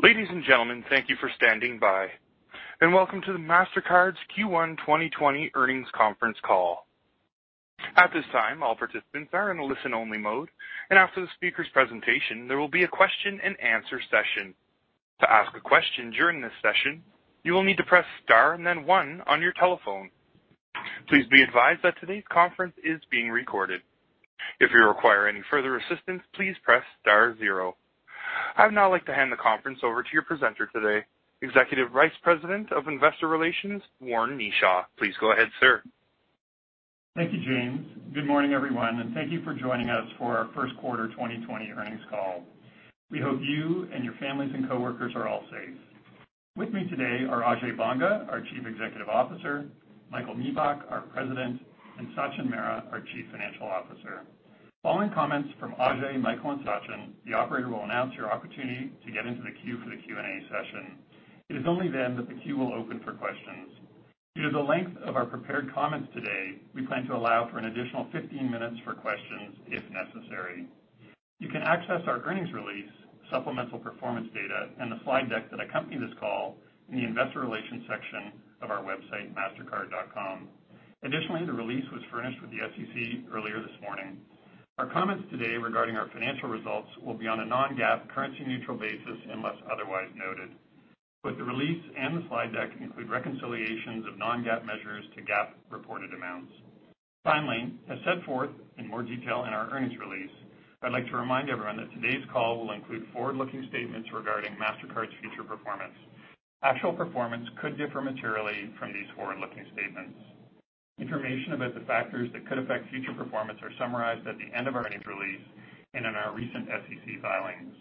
Ladies and gentlemen, thank you for standing by, and welcome to the Mastercard's Q1 2020 earnings conference call. At this time, all participants are in a listen-only mode, and after the speaker's presentation, there will be a question-and-answer session. To ask a question during this session, you will need to press star and then one on your telephone. Please be advised that today's conference is being recorded. If you require any further assistance, please press star zero. I'd now like to hand the conference over to your presenter today, Executive Vice President of Investor Relations, Warren Kneeshaw. Please go ahead, sir. Thank you, James. Good morning, everyone, and thank you for joining us for our first quarter 2020 earnings call. We hope you and your families and coworkers are all safe. With me today are Ajay Banga, our Chief Executive Officer, Michael Miebach, our President, and Sachin Mehra, our Chief Financial Officer. Following comments from Ajay, Michael and Sachin, the operator will announce your opportunity to get into the queue for the Q&A session. It is only then that the queue will open for questions. Due to the length of our prepared comments today, we plan to allow for an additional 15 minutes for questions if necessary. You can access our earnings release, supplemental performance data, and the slide deck that accompany this call in the investor relations section of our website, mastercard.com. Additionally, the release was furnished with the SEC earlier this morning. Our comments today regarding our financial results will be on a non-GAAP, currency-neutral basis unless otherwise noted. Both the release and the slide deck include reconciliations of non-GAAP measures to GAAP reported amounts. Finally, as set forth in more detail in our earnings release, I'd like to remind everyone that today's call will include forward-looking statements regarding Mastercard's future performance. Actual performance could differ materially from these forward-looking statements. Information about the factors that could affect future performance are summarized at the end of our earnings release and in our recent SEC filings.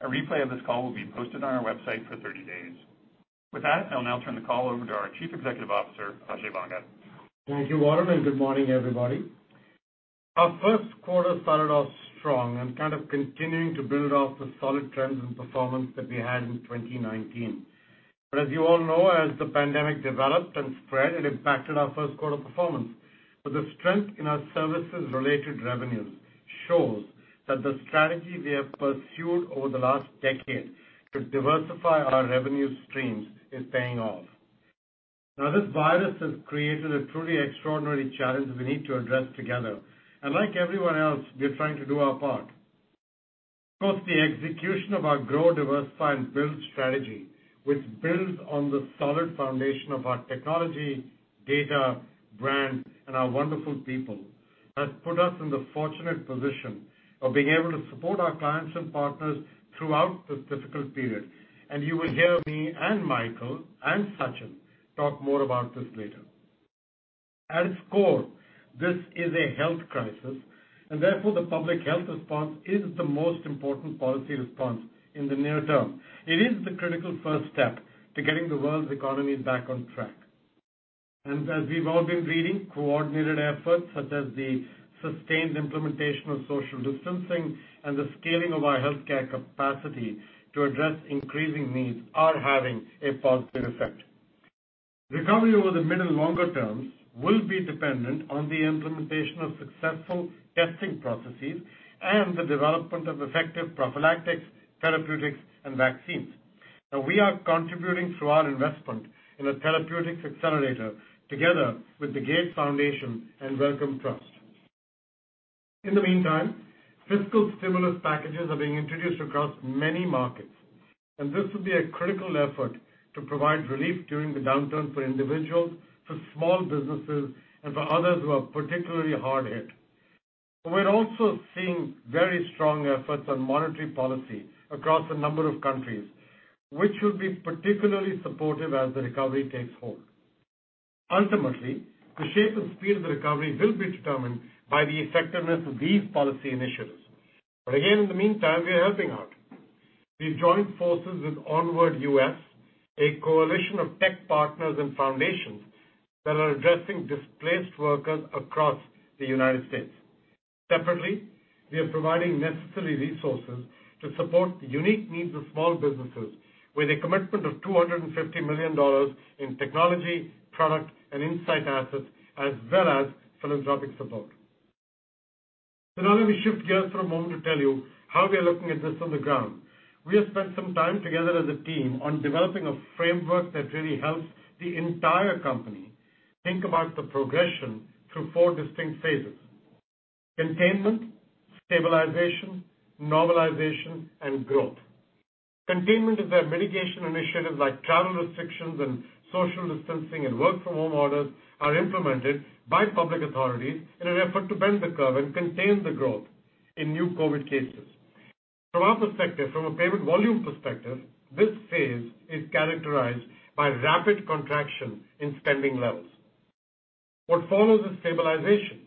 A replay of this call will be posted on our website for 30 days. With that, I'll now turn the call over to our Chief Executive Officer, Ajay Banga. Thank you, Warren, and good morning, everybody. Our first quarter started off strong and kind of continuing to build off the solid trends and performance that we had in 2019. As you all know, as the pandemic developed and spread, it impacted our first quarter performance. The strength in our services-related revenues shows that the strategy we have pursued over the last decade to diversify our revenue streams is paying off. Now this virus has created a truly extraordinary challenge that we need to address together. Like everyone else, we are trying to do our part. Of course, the execution of our grow, diversify, and build strategy, which builds on the solid foundation of our technology, data, brand, and our wonderful people, has put us in the fortunate position of being able to support our clients and partners throughout this difficult period. You will hear me and Michael and Sachin talk more about this later. At its core, this is a health crisis, and therefore, the public health response is the most important policy response in the near term. It is the critical first step to getting the world's economy back on track. As we've all been reading, coordinated efforts such as the sustained implementation of social distancing and the scaling of our healthcare capacity to address increasing needs are having a positive effect. Recovery over the middle and longer terms will be dependent on the implementation of successful testing processes and the development of effective prophylactics, therapeutics, and vaccines. We are contributing through our investment in a therapeutics accelerator together with the Gates Foundation and Wellcome Trust. In the meantime, fiscal stimulus packages are being introduced across many markets, and this will be a critical effort to provide relief during the downturn for individuals, for small businesses, and for others who are particularly hard hit. We're also seeing very strong efforts on monetary policy across a number of countries, which will be particularly supportive as the recovery takes hold. Ultimately, the shape and speed of the recovery will be determined by the effectiveness of these policy initiatives. Again, in the meantime, we are helping out. We've joined forces with Onward US, a coalition of tech partners and foundations that are addressing displaced workers across the United States. Separately, we are providing necessary resources to support the unique needs of small businesses with a commitment of $250 million in technology, product, and insight assets, as well as philanthropic support. Now let me shift gears for a moment to tell you how we are looking at this on the ground. We have spent some time together as a team on developing a framework that really helps the entire company think about the progression through four distinct phases: containment, stabilization, normalization, and growth. Containment is where mitigation initiatives like travel restrictions and social distancing and work from home orders are implemented by public authorities in an effort to bend the curve and contain the growth in new COVID cases. From our perspective, from a payment volume perspective, this phase is characterized by rapid contraction in spending levels. What follows is stabilization.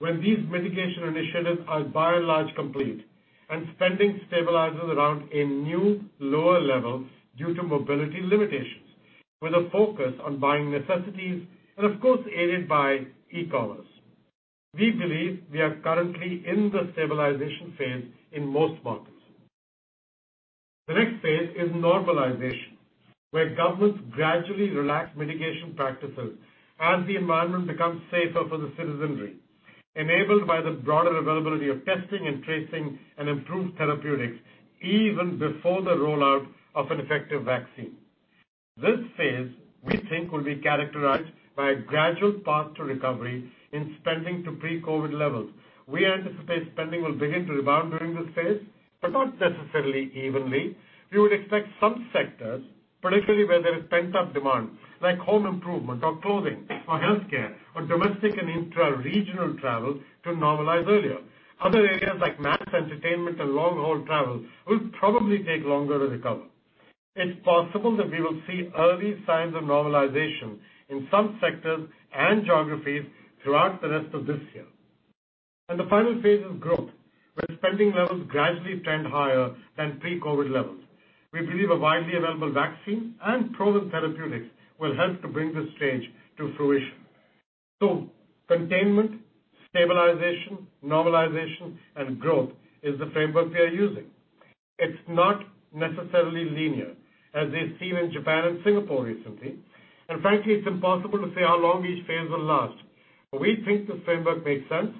When these mitigation initiatives are by and large complete, and spending stabilizes around a new, lower level due to mobility limitations, with a focus on buying necessities and, of course, aided by e-commerce. We believe we are currently in the stabilization phase in most markets. The next phase is normalization, where governments gradually relax mitigation practices as the environment becomes safer for the citizenry. Enabled by the broader availability of testing and tracing and improved therapeutics even before the rollout of an effective vaccine. This phase, we think, will be characterized by a gradual path to recovery in spending to pre-COVID levels. We anticipate spending will begin to rebound during this phase, but not necessarily evenly. We would expect some sectors, particularly where there is pent-up demand, like home improvement or clothing or healthcare or domestic and intra-regional travel, to normalize earlier. Other areas like mass entertainment and long-haul travel will probably take longer to recover. It's possible that we will see early signs of normalization in some sectors and geographies throughout the rest of this year. The final phase is growth, where spending levels gradually trend higher than pre-COVID levels. We believe a widely available vaccine and proven therapeutics will help to bring this stage to fruition. Containment, stabilization, normalization, and growth is the framework we are using. It's not necessarily linear, as we've seen in Japan and Singapore recently, and frankly, it's impossible to say how long each phase will last. We think the framework makes sense.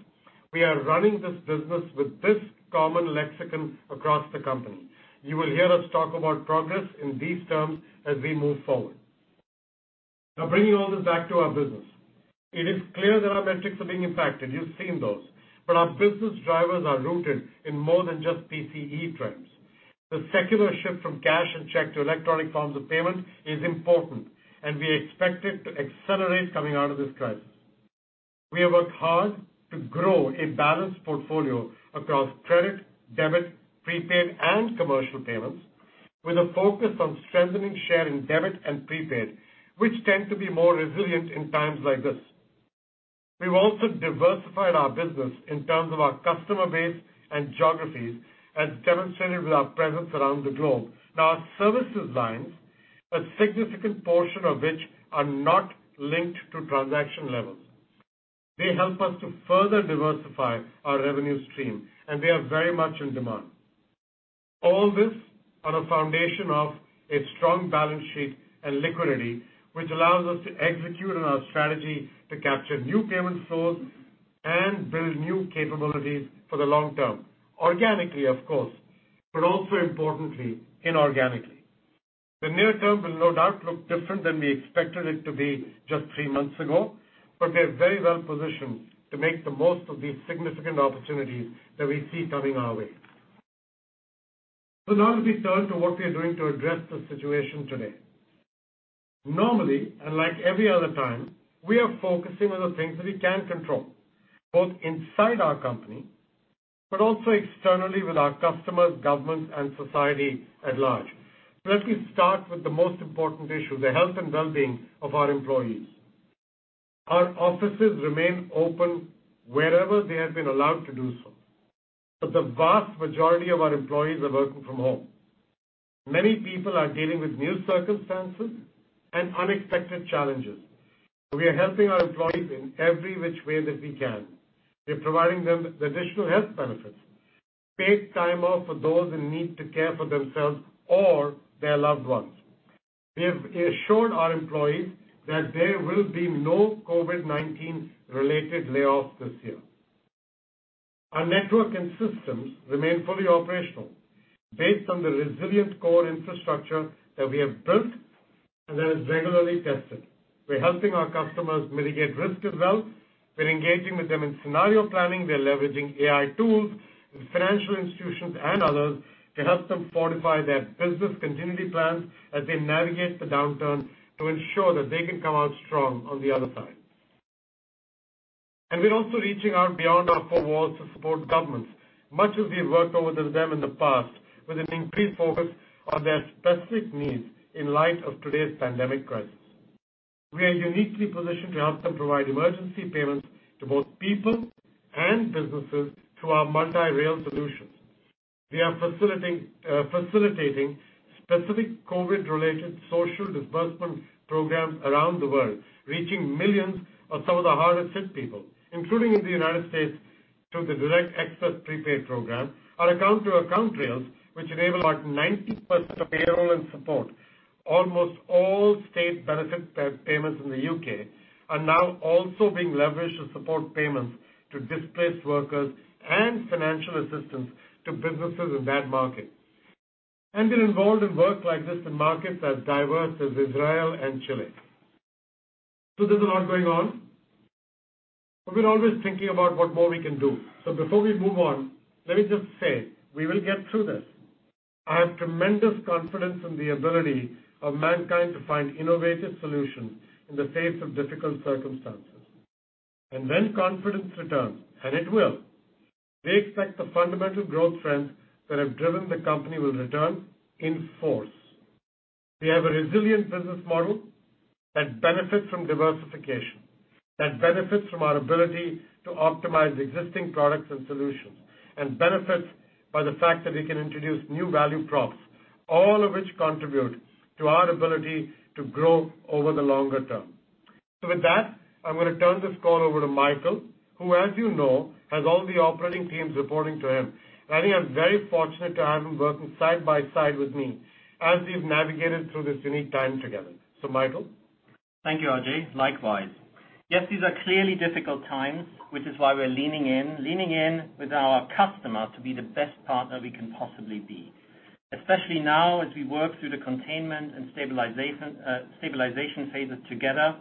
We are running this business with this common lexicon across the company. You will hear us talk about progress in these terms as we move forward. Bringing all this back to our business. It is clear that our metrics are being impacted. You've seen those. Our business drivers are rooted in more than just PCE trends. The secular shift from cash and check to electronic forms of payment is important, and we expect it to accelerate coming out of this crisis. We have worked hard to grow a balanced portfolio across credit, debit, prepaid, and commercial payments, with a focus on strengthening share in debit and prepaid, which tend to be more resilient in times like this. We've also diversified our business in terms of our customer base and geographies, as demonstrated with our presence around the globe. Now our services lines, a significant portion of which are not linked to transaction levels. They help us to further diversify our revenue stream, and they are very much in demand. All this on a foundation of a strong balance sheet and liquidity, which allows us to execute on our strategy to capture new payment sources and build new capabilities for the long term, organically, of course, but also importantly, inorganically. The near term will no doubt look different than we expected it to be just three months ago, but we are very well-positioned to make the most of these significant opportunities that we see coming our way. Now let me turn to what we are doing to address the situation today. Normally, and like every other time, we are focusing on the things that we can control, both inside our company, but also externally with our customers, governments, and society at large. Let me start with the most important issue, the health and well-being of our employees. Our offices remain open wherever they have been allowed to do so, but the vast majority of our employees are working from home. Many people are dealing with new circumstances and unexpected challenges. We are helping our employees in every which way that we can. We're providing them with additional health benefits, paid time off for those who need to care for themselves or their loved ones. We have assured our employees that there will be no COVID-19-related layoffs this year. Our network and systems remain fully operational based on the resilient core infrastructure that we have built and that is regularly tested. We're helping our customers mitigate risk as well. We're engaging with them in scenario planning. We're leveraging AI tools with financial institutions and others to help them fortify their business continuity plans as they navigate the downturn to ensure that they can come out strong on the other side. We're also reaching out beyond our four walls to support governments. Much as we've worked with them in the past with an increased focus on their specific needs in light of today's pandemic crisis. We are uniquely positioned to help them provide emergency payments to both people and businesses through our multi-rail solutions. We are facilitating specific COVID-related social disbursement programs around the world, reaching millions of some of the hardest hit people, including in the United States through the Direct Express prepaid program. Our account-to-account rails, which enable our 90% of payroll and support almost all state benefit payments in the U.K., are now also being leveraged to support payments to displaced workers and financial assistance to businesses in that market. We're involved in work like this in markets as diverse as Israel and Chile. There's a lot going on, but we're always thinking about what more we can do. Before we move on, let me just say, we will get through this. I have tremendous confidence in the ability of mankind to find innovative solutions in the face of difficult circumstances. When confidence returns, and it will, we expect the fundamental growth trends that have driven the company will return in force. We have a resilient business model that benefits from diversification, that benefits from our ability to optimize existing products and solutions, and benefits by the fact that we can introduce new value props, all of which contribute to our ability to grow over the longer term. With that, I'm going to turn this call over to Michael, who as you know, has all the operating teams reporting to him. I think I'm very fortunate to have him working side by side with me as we've navigated through this unique time together. Michael? Thank you, Ajay. Likewise. Yes, these are clearly difficult times, which is why we're leaning in. Leaning in with our customer to be the best partner we can possibly be, especially now as we work through the containment and stabilization phases together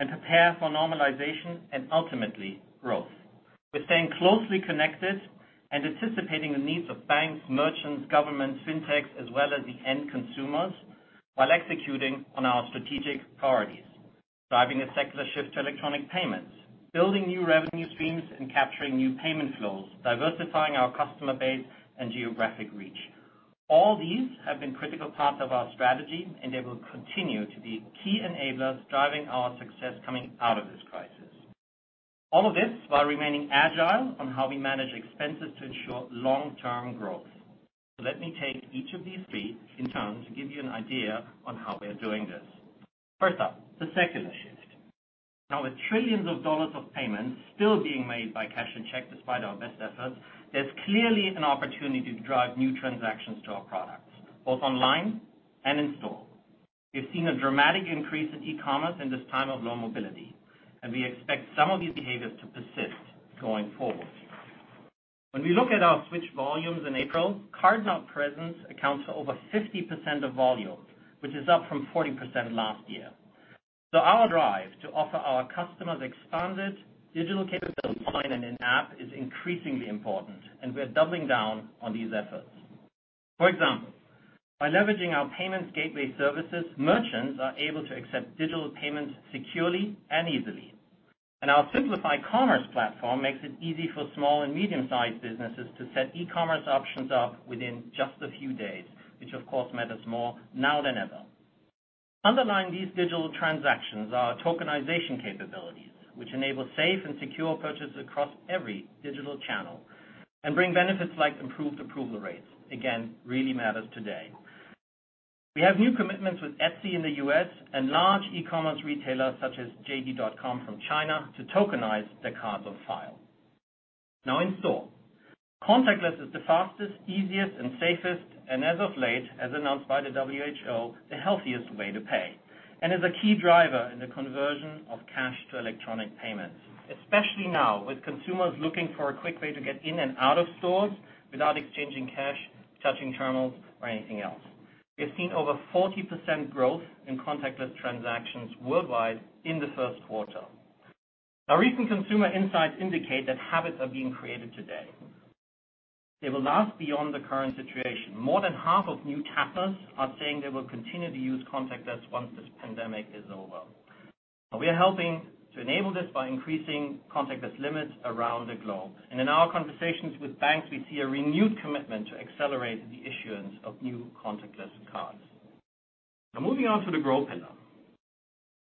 and prepare for normalization and ultimately growth. We're staying closely connected and anticipating the needs of banks, merchants, government, fintechs, as well as the end consumers, while executing on our strategic priorities. Driving a secular shift to electronic payments, building new revenue streams, and capturing new payment flows, diversifying our customer base and geographic reach. All these have been critical parts of our strategy, and they will continue to be key enablers driving our success coming out of this crisis. All of this while remaining agile on how we manage expenses to ensure long-term growth. Let me take each of these three in turn to give you an idea on how we are doing this. First up, the secular shift. With trillions of USD of payments still being made by cash and check despite our best efforts, there's clearly an opportunity to drive new transactions to our products, both online and in-store. We've seen a dramatic increase in e-commerce in this time of low mobility, and we expect some of these behaviors to persist going forward. When we look at our switch volumes in April, card-not-present accounts for over 50% of volume, which is up from 40% last year. Our drive to offer our customers expanded digital capabilities online and in-app is increasingly important, and we are doubling down on these efforts. For example, by leveraging our payments gateway services, merchants are able to accept digital payments securely and easily. Our simplified commerce platform makes it easy for small and medium-sized businesses to set e-commerce options up within just a few days, which of course matters more now than ever. Underlying these digital transactions are tokenization capabilities, which enable safe and secure purchases across every digital channel and bring benefits like improved approval rates. Again, really matters today. We have new commitments with Etsy in the U.S. and large e-commerce retailers such as JD.com from China to tokenize their cards on file. In-store. Contactless is the fastest, easiest and safest, and as of late, as announced by the WHO, the healthiest way to pay, and is a key driver in the conversion of cash to electronic payments, especially now with consumers looking for a quick way to get in and out of stores without exchanging cash, touching terminals or anything else. We have seen over 40% growth in contactless transactions worldwide in the first quarter. Our recent consumer insights indicate that habits are being created today. They will last beyond the current situation. More than half of new tappers are saying they will continue to use contactless once this pandemic is over. Now, we are helping to enable this by increasing contactless limits around the globe. In our conversations with banks, we see a renewed commitment to accelerate the issuance of new contactless cards. Now moving on to the growth pillar.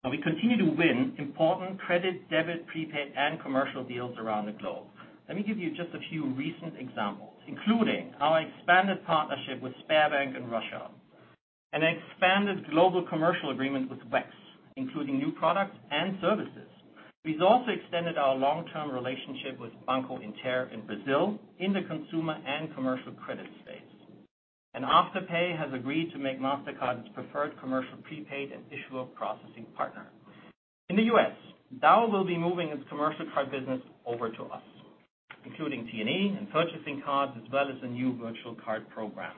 Now we continue to win important credit, debit, prepaid, and commercial deals around the globe. Let me give you just a few recent examples, including our expanded partnership with Sberbank in Russia, an expanded global commercial agreement with WEX, including new products and services. We've also extended our long-term relationship with Banco Inter in Brazil in the consumer and commercial credit space. Afterpay has agreed to make Mastercard its preferred commercial prepaid and issuer processing partner. In the U.S., Dow will be moving its commercial card business over to us, including T&E and purchasing cards, as well as a new virtual card program.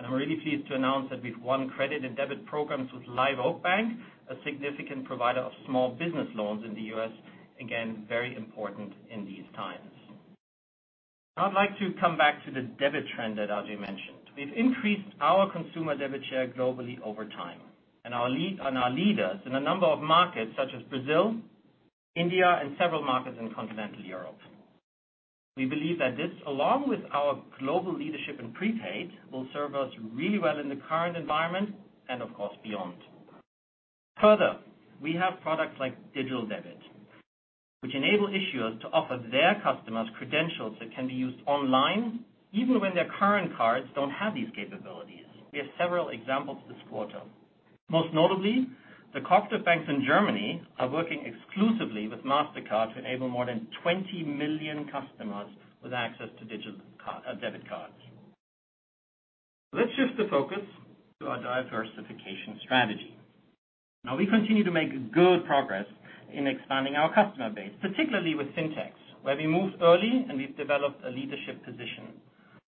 I'm really pleased to announce that we've won credit and debit programs with Live Oak Bank, a significant provider of small business loans in the U.S. Again, very important in these times. I'd like to come back to the debit trend that Ajay mentioned. We've increased our consumer debit share globally over time and are leaders in a number of markets such as Brazil, India, and several markets in continental Europe. We believe that this, along with our global leadership in prepaid, will serve us really well in the current environment and of course, beyond. Further, we have products like Digital Debit Mastercard, which enable issuers to offer their customers credentials that can be used online even when their current cards don't have these capabilities. We have several examples this quarter. Most notably, the cooperative banks in Germany are working exclusively with Mastercard to enable more than 20 million customers with access to Digital Debit Mastercard cards. Let's shift the focus to our diversification strategy. Now we continue to make good progress in expanding our customer base, particularly with fintechs, where we moved early, and we've developed a leadership position.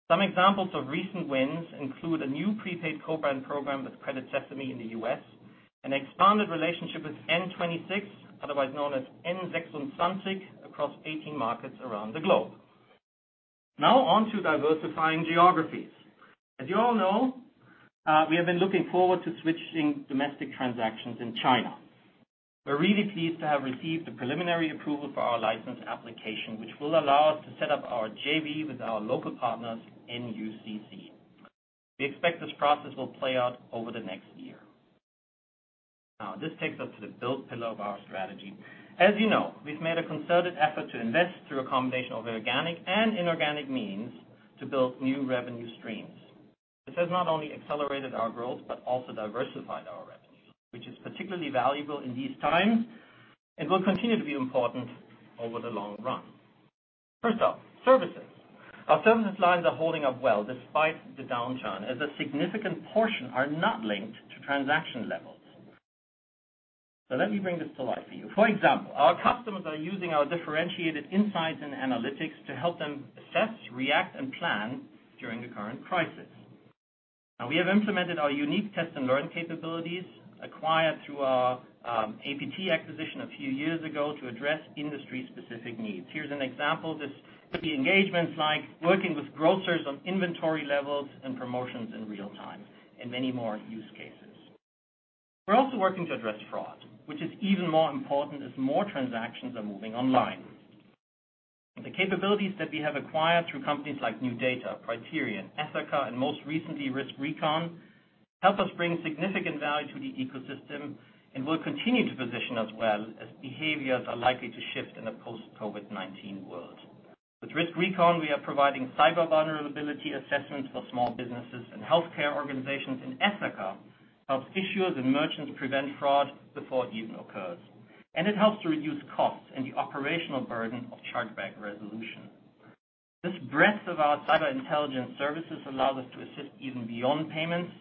Some examples of recent wins include a new prepaid co-brand program with Credit Sesame in the U.S., an expanded relationship with N26, otherwise known as N26 across 18 markets around the globe. Now on to diversifying geographies. As you all know, we have been looking forward to switching domestic transactions in China. We're really pleased to have received the preliminary approval for our license application, which will allow us to set up our JV with our local partners, NUCC. We expect this process will play out over the next year. Now, this takes us to the build pillar of our strategy. As you know, we've made a concerted effort to invest through a combination of organic and inorganic means to build new revenue streams. This has not only accelerated our growth but also diversified our revenues, which is particularly valuable in these times and will continue to be important over the long run. First off, services. Our services lines are holding up well despite the downturn, as a significant portion are not linked to transaction levels. Let me bring this to life for you. For example, our customers are using our differentiated insights and analytics to help them assess, react, and plan during the current crisis. We have implemented our unique Test & Learn capabilities acquired through our APT acquisition a few years ago to address industry-specific needs. Here's an example. This could be engagements like working with grocers on inventory levels and promotions in real time, and many more use cases. We're also working to address fraud, which is even more important as more transactions are moving online. The capabilities that we have acquired through companies like NuData, Brighterion, Ethoca, and most recently, RiskRecon, help us bring significant value to the ecosystem and will continue to position us well as behaviors are likely to shift in a post-COVID-19 world. With RiskRecon, we are providing cyber vulnerability assessments for small businesses and healthcare organizations, and Ethoca helps issuers and merchants prevent fraud before it even occurs. It helps to reduce costs and the operational burden of chargeback resolution. This breadth of our cyber intelligence services allow us to assist even beyond payments,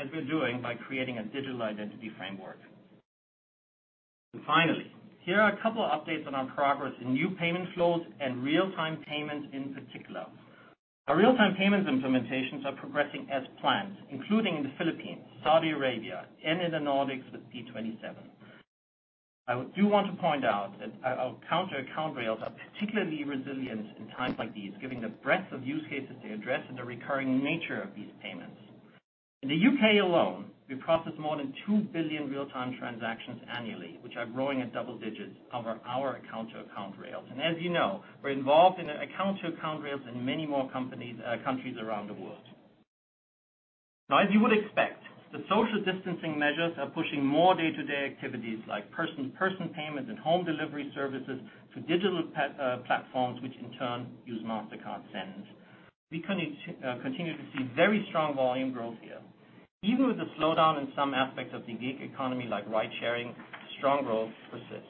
as we're doing by creating a digital identity framework. Finally, here are a couple updates on our progress in new payment flows and real-time payments in particular. Our real-time payments implementations are progressing as planned, including in the Philippines, Saudi Arabia, and in the Nordics with P27. I do want to point out that our account-to-account rails are particularly resilient in times like these, giving the breadth of use cases they address and the recurring nature of these payments. In the U.K. alone, we process more than 2 billion real-time transactions annually, which are growing at double digits over our account-to-account rails. As you know, we're involved in account-to-account rails in many more countries around the world. Now as you would expect, the social distancing measures are pushing more day-to-day activities like person-to-person payments and home delivery services to digital platforms, which in turn use Mastercard Send. We continue to see very strong volume growth here. Even with the slowdown in some aspects of the gig economy like ride sharing, strong growth persists.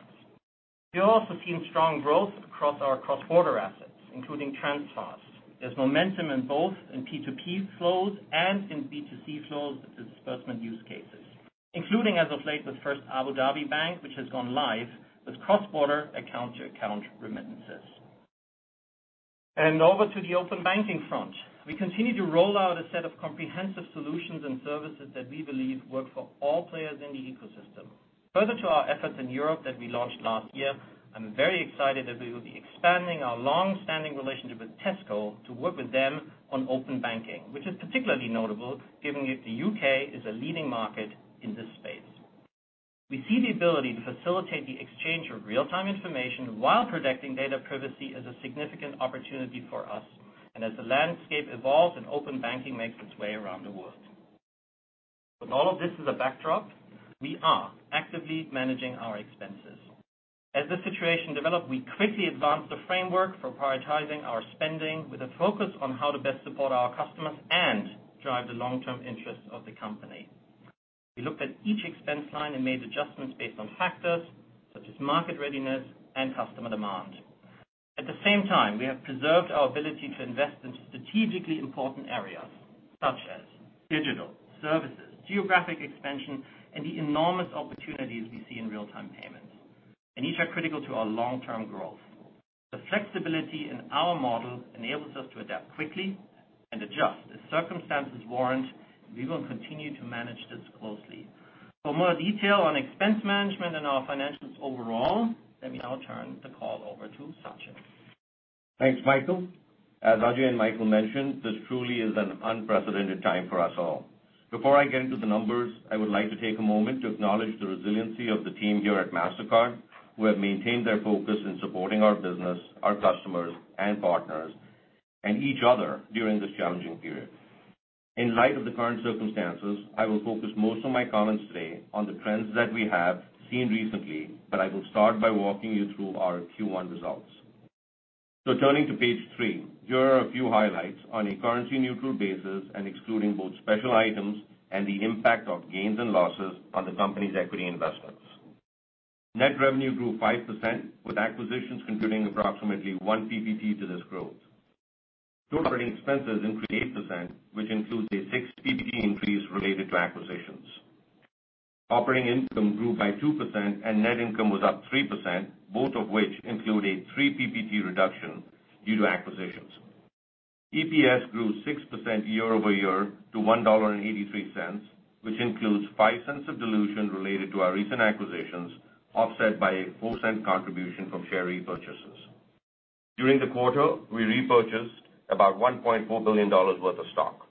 We are also seeing strong growth across our cross-border assets, including transfers. There's momentum in both in P2P flows and in B2C flows with disbursement use cases, including as of late with First Abu Dhabi Bank, which has gone live with cross-border account-to-account remittances. Over to the open banking front. We continue to roll out a set of comprehensive solutions and services that we believe work for all players in the ecosystem. Further to our efforts in Europe that we launched last year, I'm very excited that we will be expanding our long-standing relationship with Tesco to work with them on open banking, which is particularly notable given that the U.K. is a leading market in this space. We see the ability to facilitate the exchange of real-time information while protecting data privacy as a significant opportunity for us, and as the landscape evolves and open banking makes its way around the world. With all of this as a backdrop, we are actively managing our expenses. As the situation developed, we quickly advanced a framework for prioritizing our spending with a focus on how to best support our customers and drive the long-term interests of the company. We looked at each expense line and made adjustments based on factors such as market readiness and customer demand. At the same time, we have preserved our ability to invest in strategically important areas such as digital, services, geographic expansion, and the enormous opportunities we see in real-time payments. These are critical to our long-term growth. The flexibility in our model enables us to adapt quickly and adjust as circumstances warrant. We will continue to manage this closely. For more detail on expense management and our financials overall, let me now turn the call over to Sachin. Thanks, Michael. As Ajay and Michael mentioned, this truly is an unprecedented time for us all. Before I get into the numbers, I would like to take a moment to acknowledge the resiliency of the team here at Mastercard, who have maintained their focus in supporting our business, our customers and partners, and each other during this challenging period. In light of the current circumstances, I will focus most of my comments today on the trends that we have seen recently, I will start by walking you through our Q1 results. Turning to page three, here are a few highlights on a currency-neutral basis and excluding both special items and the impact of gains and losses on the company's equity investments. Net revenue grew 5%, with acquisitions contributing approximately 1 ppt to this growth. Total operating expenses increased 8%, which includes a 6 ppt increase related to acquisitions. Operating income grew by 2% and net income was up 3%, both of which include a 3 ppt reduction due to acquisitions. EPS grew 6% year-over-year to $1.83, which includes $0.05 of dilution related to our recent acquisitions, offset by a $0.04 contribution from share repurchases. During the quarter, we repurchased about $1.4 billion worth of stock.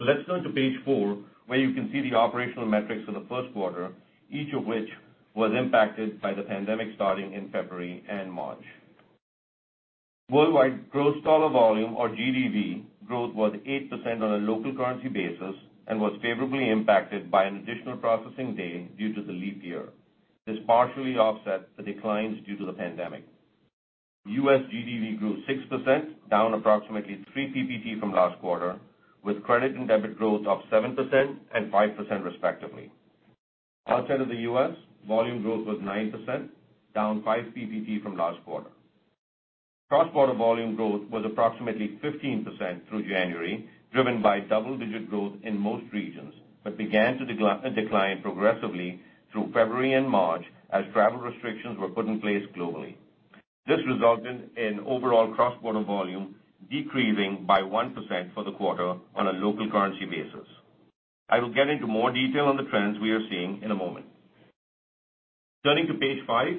Let's turn to page four, where you can see the operational metrics for the first quarter, each of which was impacted by the pandemic starting in February and March. Worldwide gross dollar volume or GDV growth was 8% on a local currency basis and was favorably impacted by an additional processing day due to the leap year. This partially offset the declines due to the pandemic. U.S. GDV grew 6%, down approximately 3 ppt from last quarter, with credit and debit growth up 7% and 5% respectively. Outside of the U.S., volume growth was 9%, down 5 ppt from last quarter. Cross-border volume growth was approximately 15% through January, driven by double-digit growth in most regions, began to decline progressively through February and March as travel restrictions were put in place globally. This resulted in overall cross-border volume decreasing by 1% for the quarter on a local currency basis. I will get into more detail on the trends we are seeing in a moment. Turning to page five,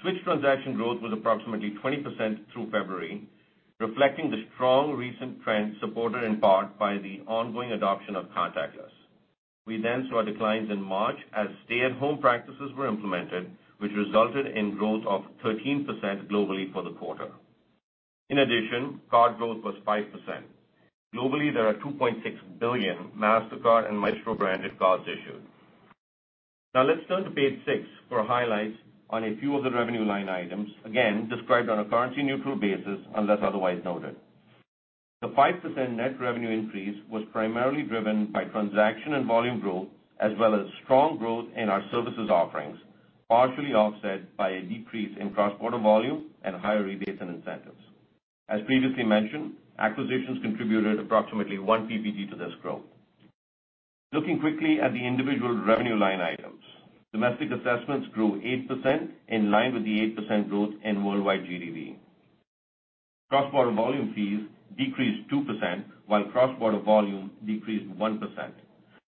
switch transaction growth was approximately 20% through February, reflecting the strong recent trend, supported in part by the ongoing adoption of contactless. We saw declines in March as stay-at-home practices were implemented, which resulted in growth of 13% globally for the quarter. In addition, card growth was 5%. Globally, there are 2.6 billion Mastercard and Maestro branded cards issued. Now let's turn to page six for highlights on a few of the revenue line items, again, described on a currency-neutral basis, unless otherwise noted. The 5% net revenue increase was primarily driven by transaction and volume growth, as well as strong growth in our services offerings, partially offset by a decrease in cross-border volume and higher rebates and incentives. As previously mentioned, acquisitions contributed approximately 1 ppt to this growth. Looking quickly at the individual revenue line items, domestic assessments grew 8%, in line with the 8% growth in worldwide GDV. Cross-border volume fees decreased 2%, while cross-border volume decreased 1%.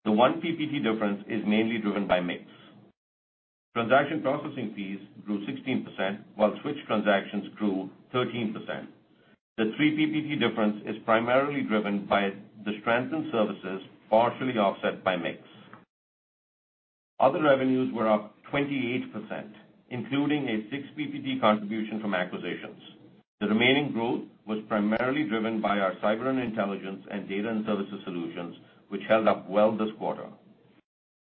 The 1 ppt difference is mainly driven by mix. Transaction processing fees grew 16%, while switch transactions grew 13%. The 3 ppt difference is primarily driven by the strength in services, partially offset by mix. Other revenues were up 28%, including a 6 ppt contribution from acquisitions. The remaining growth was primarily driven by our Cyber & Intelligence and Data & Services solutions, which held up well this quarter.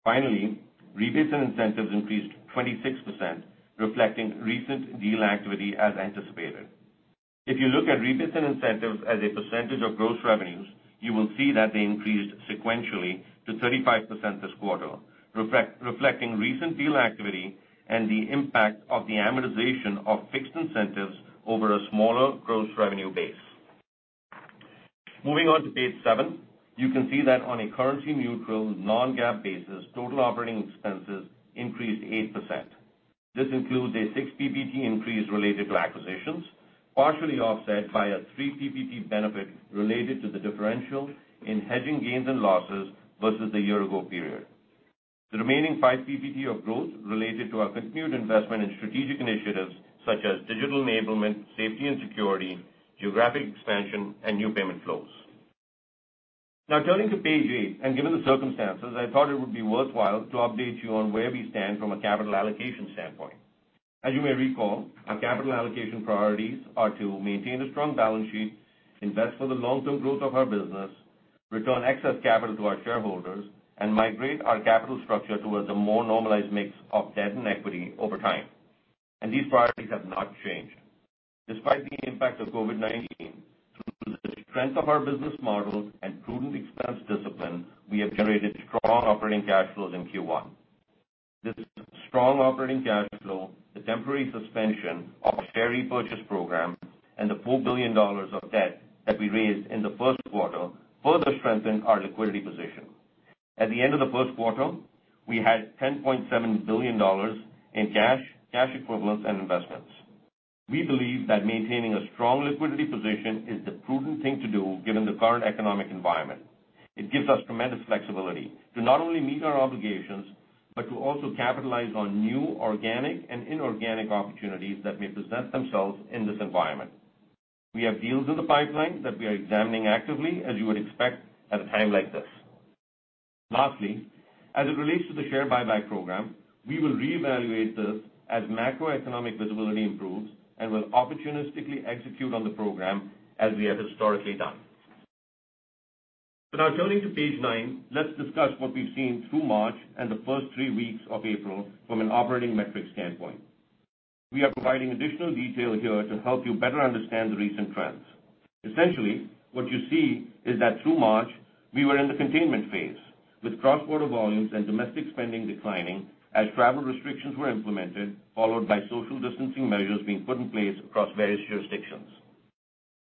Finally, rebates and incentives increased 26%, reflecting recent deal activity as anticipated. If you look at rebates and incentives as a percentage of gross revenues, you will see that they increased sequentially to 35% this quarter, reflecting recent deal activity and the impact of the amortization of fixed incentives over a smaller gross revenue base. Moving on to page seven, you can see that on a currency neutral, non-GAAP basis, total operating expenses increased 8%. This includes a 6 ppt increase related to acquisitions, partially offset by a 3 ppt benefit related to the differential in hedging gains and losses versus the year ago period. The remaining 5 ppt of growth related to our continued investment in strategic initiatives such as digital enablement, safety and security, geographic expansion, and new payment flows. Turning to page eight, given the circumstances, I thought it would be worthwhile to update you on where we stand from a capital allocation standpoint. As you may recall, our capital allocation priorities are to maintain a strong balance sheet, invest for the long-term growth of our business, return excess capital to our shareholders, and migrate our capital structure towards a more normalized mix of debt and equity over time. These priorities have not changed. Despite the impact of COVID-19, through the strength of our business model and prudent expense discipline, we have generated strong operating cash flows in Q1. This strong operating cash flow, the temporary suspension of share repurchase program, and the $4 billion of debt that we raised in the first quarter further strengthen our liquidity position. At the end of the first quarter, we had $10.7 billion in cash equivalents, and investments. We believe that maintaining a strong liquidity position is the prudent thing to do given the current economic environment. It gives us tremendous flexibility to not only meet our obligations, but to also capitalize on new organic and inorganic opportunities that may present themselves in this environment. We have deals in the pipeline that we are examining actively, as you would expect at a time like this. Lastly, as it relates to the share buyback program, we will reevaluate this as macroeconomic visibility improves and will opportunistically execute on the program as we have historically done. Now turning to page nine, let's discuss what we've seen through March and the first three weeks of April from an operating metric standpoint. We are providing additional detail here to help you better understand the recent trends. Essentially, what you see is that through March, we were in the containment phase, with cross-border volumes and domestic spending declining as travel restrictions were implemented, followed by social distancing measures being put in place across various jurisdictions.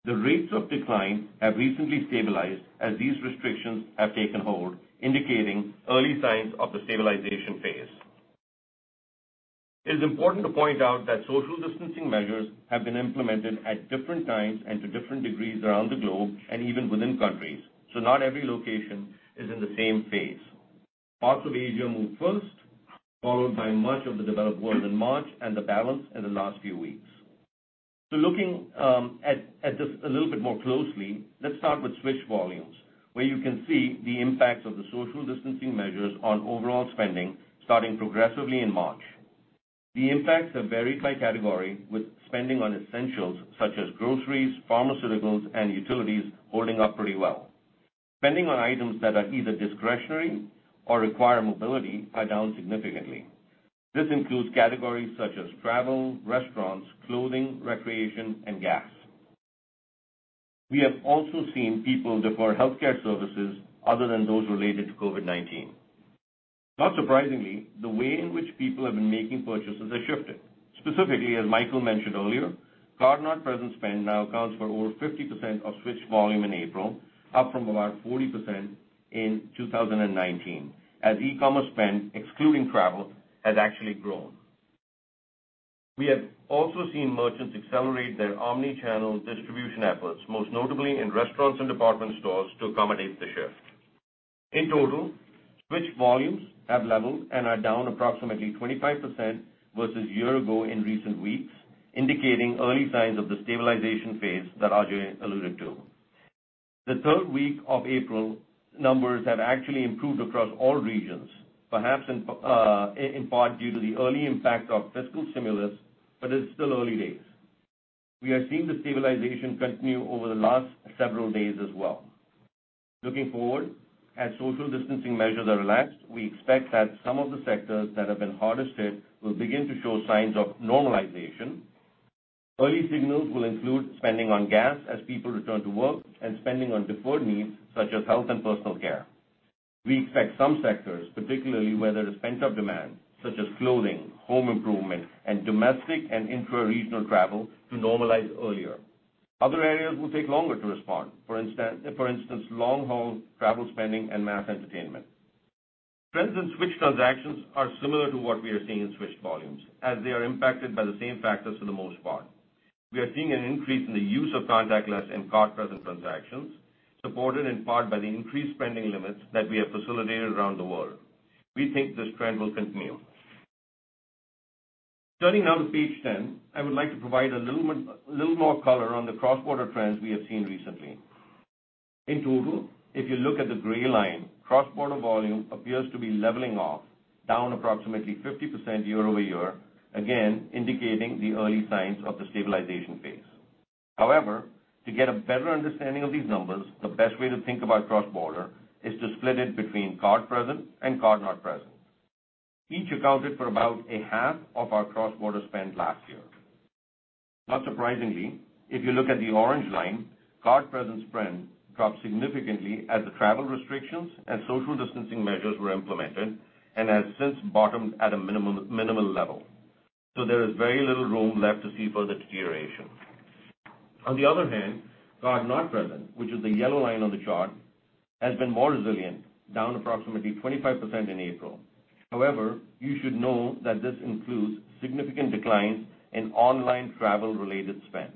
The rates of decline have recently stabilized as these restrictions have taken hold, indicating early signs of the stabilization phase. It is important to point out that social distancing measures have been implemented at different times and to different degrees around the globe and even within countries, so not every location is in the same phase. Parts of Asia moved first, followed by much of the developed world in March and the balance in the last few weeks. Looking at this a little bit more closely, let's start with switch volumes, where you can see the impacts of the social distancing measures on overall spending starting progressively in March. The impacts are varied by category, with spending on essentials such as groceries, pharmaceuticals, and utilities holding up pretty well. Spending on items that are either discretionary or require mobility are down significantly. This includes categories such as travel, restaurants, clothing, recreation, and gas. We have also seen people defer healthcare services other than those related to COVID-19. Not surprisingly, the way in which people have been making purchases has shifted. Specifically, as Michael mentioned earlier, card-not-present spend now accounts for over 50% of switch volume in April, up from about 40% in 2019, as e-commerce spend, excluding travel, has actually grown. We have also seen merchants accelerate their omnichannel distribution efforts, most notably in restaurants and department stores, to accommodate the shift. In total, switch volumes have leveled and are down approximately 25% versus a year ago in recent weeks, indicating early signs of the stabilization phase that Ajay alluded to. The third week of April numbers have actually improved across all regions, perhaps in part due to the early impact of fiscal stimulus. It's still early days. We have seen the stabilization continue over the last several days as well. Looking forward, as social distancing measures are relaxed, we expect that some of the sectors that have been hardest hit will begin to show signs of normalization. Early signals will include spending on gas as people return to work, and spending on deferred needs such as health and personal care. We expect some sectors, particularly where there is pent-up demand, such as clothing, home improvement, and domestic and intra-regional travel, to normalize earlier. Other areas will take longer to respond. For instance, long-haul travel spending and mass entertainment. Trends in switch transactions are similar to what we are seeing in switch volumes, as they are impacted by the same factors for the most part. We are seeing an increase in the use of contactless and card-present transactions, supported in part by the increased spending limits that we have facilitated around the world. We think this trend will continue. Turning now to page 10, I would like to provide a little more color on the cross-border trends we have seen recently. In total, if you look at the gray line, cross-border volume appears to be leveling off, down approximately 50% year-over-year, again, indicating the early signs of the stabilization phase. To get a better understanding of these numbers, the best way to think about cross-border is to split it between card-present and card-not-present. Each accounted for about a half of our cross-border spend last year. Not surprisingly, if you look at the orange line, card-present spend dropped significantly as the travel restrictions and social distancing measures were implemented and has since bottomed at a minimal level. There is very little room left to see further deterioration. On the other hand, card-not-present, which is the yellow line on the chart, has been more resilient, down approximately 25% in April. However, you should know that this includes significant declines in online travel-related spend.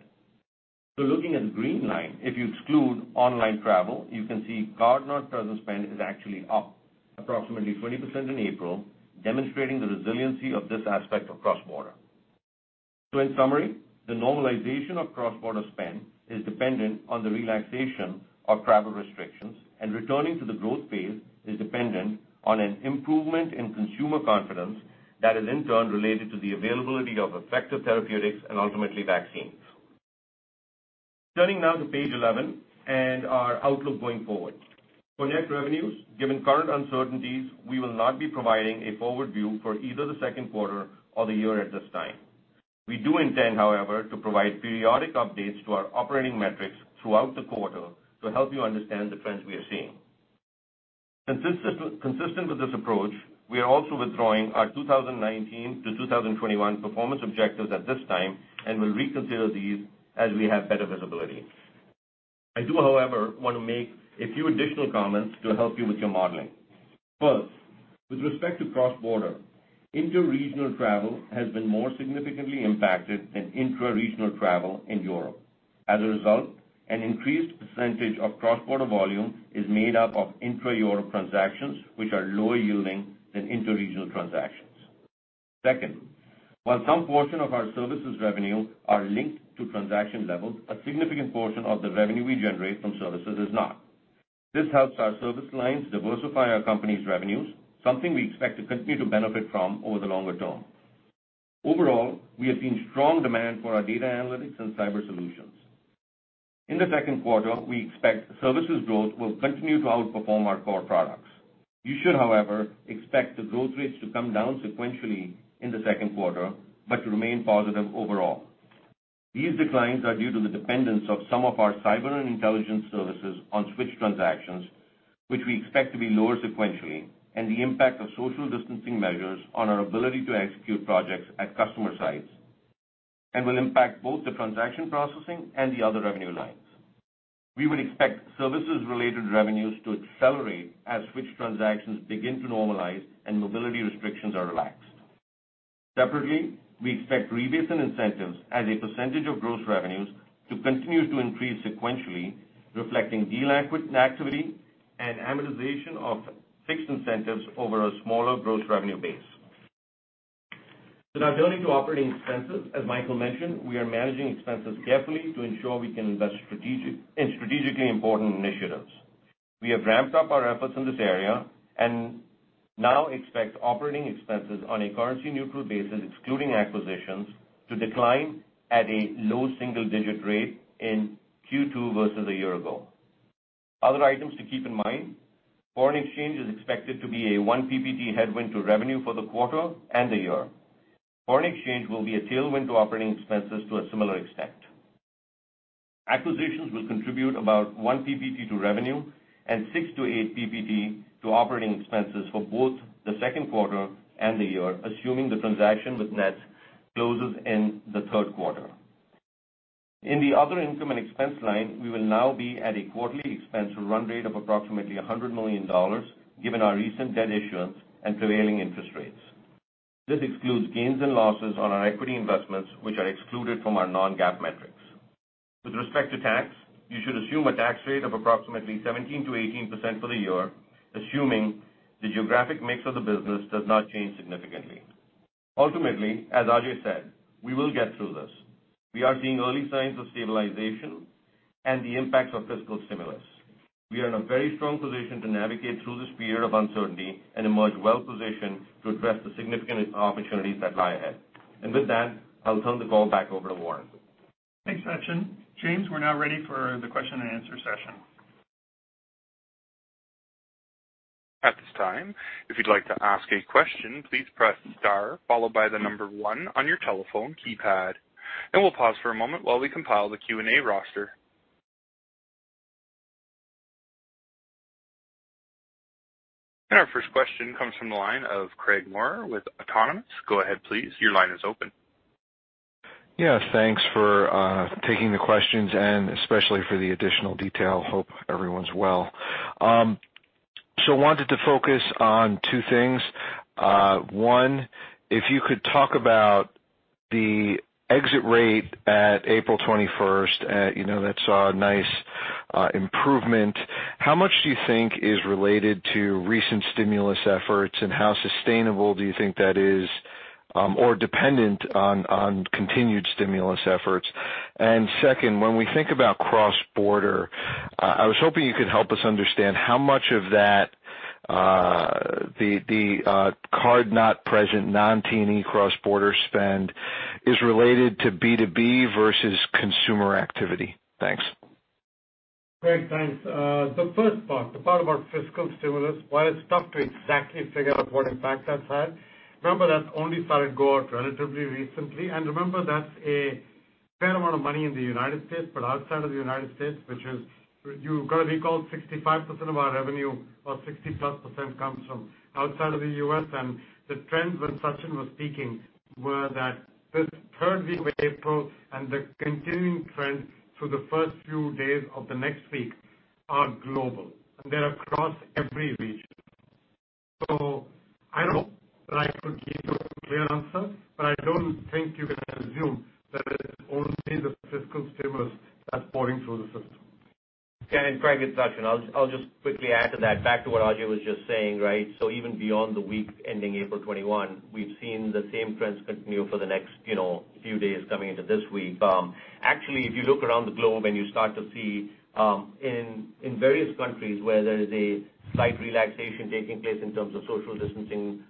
Looking at the green line, if you exclude online travel, you can see card-not-present spend is actually up approximately 20% in April, demonstrating the resiliency of this aspect of cross-border. In summary, the normalization of cross-border spend is dependent on the relaxation of travel restrictions, and returning to the growth phase is dependent on an improvement in consumer confidence that is in turn related to the availability of effective therapeutics and ultimately vaccines. Turning now to page 11 and our outlook going forward. For net revenues, given current uncertainties, we will not be providing a forward view for either the second quarter or the year at this time. We do intend, however, to provide periodic updates to our operating metrics throughout the quarter to help you understand the trends we are seeing. Consistent with this approach, we are also withdrawing our 2019-2021 performance objectives at this time and will reconsider these as we have better visibility. I do, however, want to make a few additional comments to help you with your modeling. First, with respect to cross-border, inter-regional travel has been more significantly impacted than intra-regional travel in Europe. As a result, an increased percentage of cross-border volume is made up of intra-Europe transactions, which are lower yielding than inter-regional transactions. Second, while some portion of our services revenue are linked to transaction levels, a significant portion of the revenue we generate from services is not. This helps our service lines diversify our company's revenues, something we expect to continue to benefit from over the longer term. Overall, we have seen strong demand for our data analytics and cyber solutions. In the second quarter, we expect services growth will continue to outperform our core products. You should, however, expect the growth rates to come down sequentially in the second quarter but remain positive overall. These declines are due to the dependence of some of our Cyber & Intelligence services on switch transactions, which we expect to be lower sequentially, and the impact of social distancing measures on our ability to execute projects at customer sites and will impact both the transaction processing and the other revenue lines. We would expect services-related revenues to accelerate as switch transactions begin to normalize and mobility restrictions are relaxed. Separately, we expect rebates and incentives as a percentage of gross revenues to continue to increase sequentially, reflecting deal activity and amortization of fixed incentives over a smaller gross revenue base. Now turning to operating expenses, as Michael mentioned, we are managing expenses carefully to ensure we can invest in strategically important initiatives. We have ramped up our efforts in this area and now expect operating expenses on a currency-neutral basis, excluding acquisitions, to decline at a low single-digit rate in Q2 versus a year ago. Other items to keep in mind, foreign exchange is expected to be a 1 ppt headwind to revenue for the quarter and the year. Foreign exchange will be a tailwind to operating expenses to a similar extent. Acquisitions will contribute about one percentage point to revenue and 6-8 percentage points to operating expenses for both the second quarter and the year, assuming the transaction with Nets closes in the third quarter. In the other income and expense line, we will now be at a quarterly expense run rate of approximately $100 million, given our recent debt issuance and prevailing interest rates. This excludes gains and losses on our equity investments, which are excluded from our non-GAAP metrics. With respect to tax, you should assume a tax rate of approximately 17%-18% for the year, assuming the geographic mix of the business does not change significantly. Ultimately, as Ajay said, we will get through this. We are seeing early signs of stabilization and the impacts of fiscal stimulus. We are in a very strong position to navigate through this period of uncertainty and emerge well-positioned to address the significant opportunities that lie ahead. With that, I'll turn the call back over to Warren. Thanks, Sachin. James, we're now ready for the question-and-answer-session. At this time, if you'd like to ask a question, please press star followed by the number one on your telephone keypad. We'll pause for a moment while we compile the Q&A roster. Our first question comes from the line of Craig Maurer with Autonomous. Go ahead, please. Your line is open. Yeah, thanks for taking the questions and especially for the additional detail. Hope everyone's well. Wanted to focus on two things. One, if you could talk about the exit rate at April 21st, that saw a nice improvement. How much do you think is related to recent stimulus efforts, and how sustainable do you think that is, or dependent on continued stimulus efforts? Second, when we think about cross-border, I was hoping you could help us understand how much of that, the card-not-present, non-T&E cross-border spend is related to B2B versus consumer activity. Thanks. Great, thanks. The first part, the part about fiscal stimulus, while it's tough to exactly figure out what impact that's had, remember that only started to go out relatively recently, and remember that's a fair amount of money in the U.S., but outside of the U.S., which is, you got to recall 65% of our revenue or 60%+ comes from outside of the U.S. The trends when Sachin was speaking were that this third week of April and the continuing trend through the first few days of the next week are global, and they're across every region. I don't know that I could give you a clear answer, but I don't think you can assume that it is only the fiscal stimulus that's pouring through the system. Craig, it's Sachin. I'll just quickly add to that. Back to what Ajay was just saying. Even beyond the week ending April 21, we've seen the same trends continue for the next few days coming into this week. If you look around the globe and you start to see, in various countries where there is a slight relaxation taking place in terms of social distancing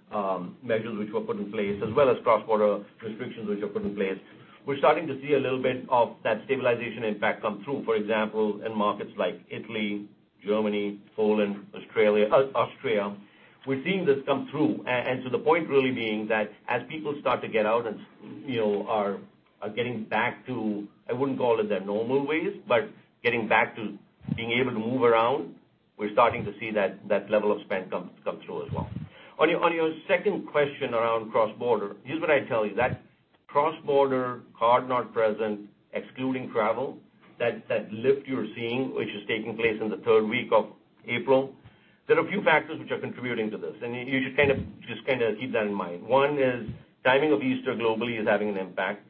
measures which were put in place, as well as cross-border restrictions which were put in place, we're starting to see a little bit of that stabilization impact come through. For example, in markets like Italy, Germany, Poland, Austria. We're seeing this come through. To the point really being that as people start to get out and are getting back to, I wouldn't call it their normal ways, but getting back to being able to move around, we're starting to see that level of spend come through as well. On your second question around cross-border, here's what I'd tell you. Cross-border card-not-present, excluding travel, that lift you're seeing, which is taking place in the third week of April, there are a few factors which are contributing to this, and you should just kind of keep that in mind. One is timing of Easter globally is having an impact.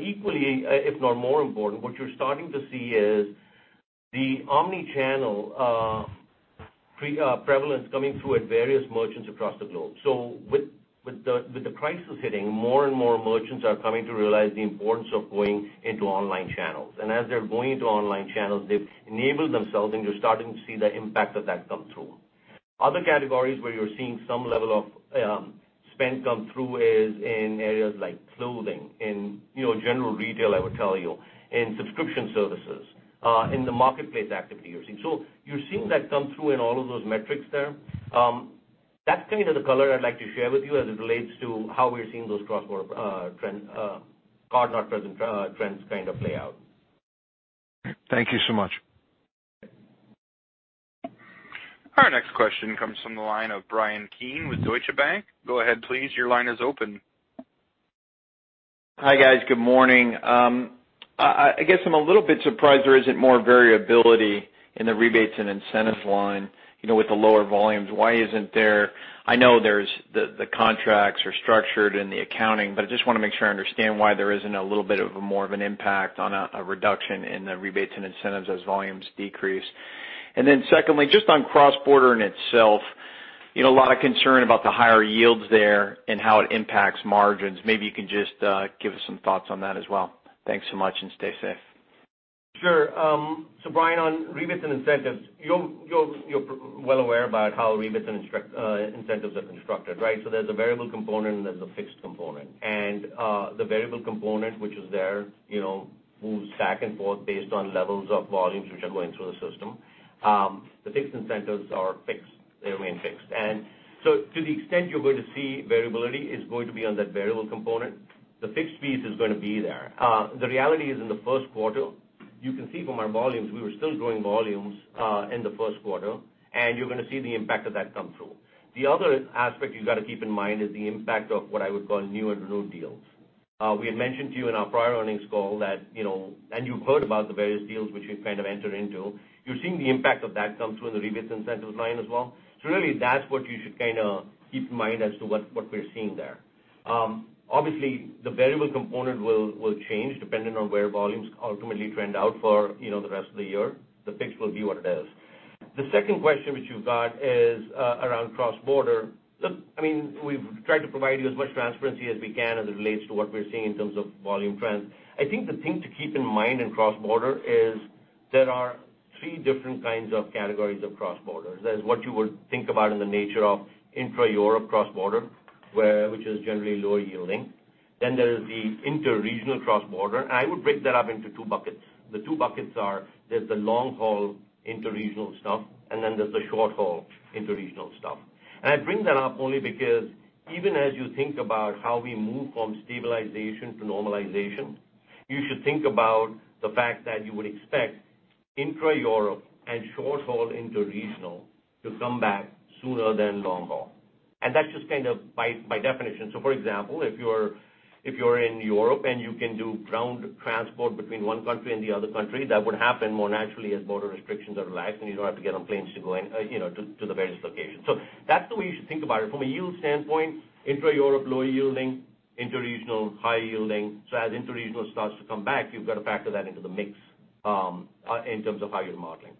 Equally, if not more important, what you're starting to see is the omnichannel prevalence coming through at various merchants across the globe. With the crisis hitting, more and more merchants are coming to realize the importance of going into online channels. As they're going into online channels, they've enabled themselves, and you're starting to see the impact of that come through. Other categories where you're seeing some level of spend come through is in areas like clothing, in general retail, I would tell you, in subscription services, in the marketplace activity you're seeing. You're seeing that come through in all of those metrics there. That's kind of the color I'd like to share with you as it relates to how we're seeing those card-not-present trends kind of play out. Thank you so much. Our next question comes from the line of Bryan Keane with Deutsche Bank. Go ahead please. Your line is open. Hi, guys. Good morning. I guess I'm a little bit surprised there isn't more variability in the rebates and incentives line. With the lower volumes, why isn't there I know the contracts are structured and the accounting, but I just want to make sure I understand why there isn't a little bit of more of an impact on a reduction in the rebates and incentives as volumes decrease. Then secondly, just on cross-border in itself, a lot of concern about the higher yields there and how it impacts margins. Maybe you can just give us some thoughts on that as well. Thanks so much, and stay safe. Sure. Bryan, on rebates and incentives, you're well aware about how rebates and incentives are constructed, right? There's a variable component, and there's a fixed component. The variable component, which is there, moves back and forth based on levels of volumes which are going through the system. The fixed incentives are fixed. They remain fixed. To the extent you're going to see variability is going to be on that variable component. The fixed piece is going to be there. The reality is, in the first quarter, you can see from our volumes, we were still growing volumes in the first quarter, and you're going to see the impact of that come through. The other aspect you got to keep in mind is the impact of what I would call new and renewed deals. We had mentioned to you in our prior earnings call that, and you've heard about the various deals which we've entered into. You're seeing the impact of that come through the rebates incentives line as well. Really that's what you should keep in mind as to what we're seeing there. Obviously, the variable component will change depending on where volumes ultimately trend out for the rest of the year. The fixed will be what it is. The second question which you've got is around cross-border. Look, we've tried to provide you as much transparency as we can as it relates to what we're seeing in terms of volume trends. I think the thing to keep in mind in cross-border is there are three different kinds of categories of cross-borders. There's what you would think about in the nature of intra-Europe cross-border, which is generally lower yielding. There is the interregional cross-border, and I would break that up into two buckets. The two buckets are, there's the long-haul interregional stuff, and then there's the short-haul interregional stuff. I bring that up only because even as you think about how we move from stabilization to normalization, you should think about the fact that you would expect intra-Europe and short-haul interregional to come back sooner than long-haul. That's just kind of by definition. For example, if you're in Europe and you can do ground transport between one country and the other country, that would happen more naturally as border restrictions are relaxed, and you don't have to get on planes to go to the various locations. That's the way you should think about it. From a yield standpoint, intra-Europe, lower yielding, interregional, high yielding. As interregional starts to come back, you've got to factor that into the mix, in terms of how you're modeling.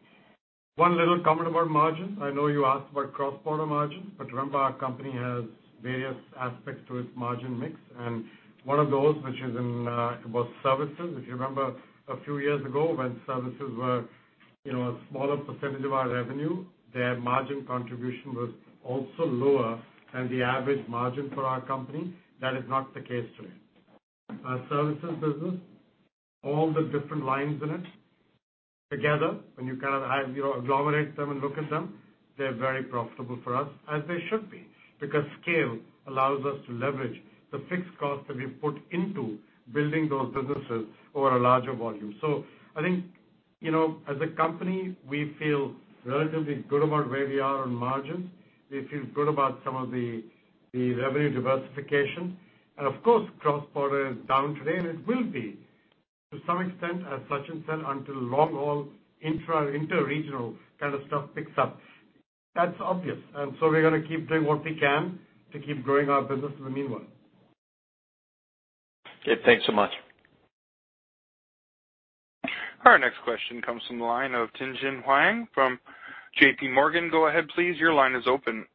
One little comment about margin. I know you asked about cross-border margin, but remember our company has various aspects to its margin mix. One of those, which is in both services, if you remember a few years ago when services were a smaller percentage of our revenue, their margin contribution was also lower than the average margin for our company. That is not the case today. Our services business, all the different lines in it, together, when you kind of agglomerate them and look at them, they're very profitable for us, as they should be, because scale allows us to leverage the fixed cost that we've put into building those businesses over a larger volume. I think, as a company, we feel relatively good about where we are on margins. We feel good about some of the revenue diversification. Of course, cross-border is down today, and it will be to some extent, as Sachin said, until long-haul intra and interregional kind of stuff picks up. That's obvious. We're going to keep doing what we can to keep growing our business in the meanwhile. Okay. Thanks so much. Our next question comes from the line of Tien-tsin Huang from JPMorgan. Go ahead please, your line is open.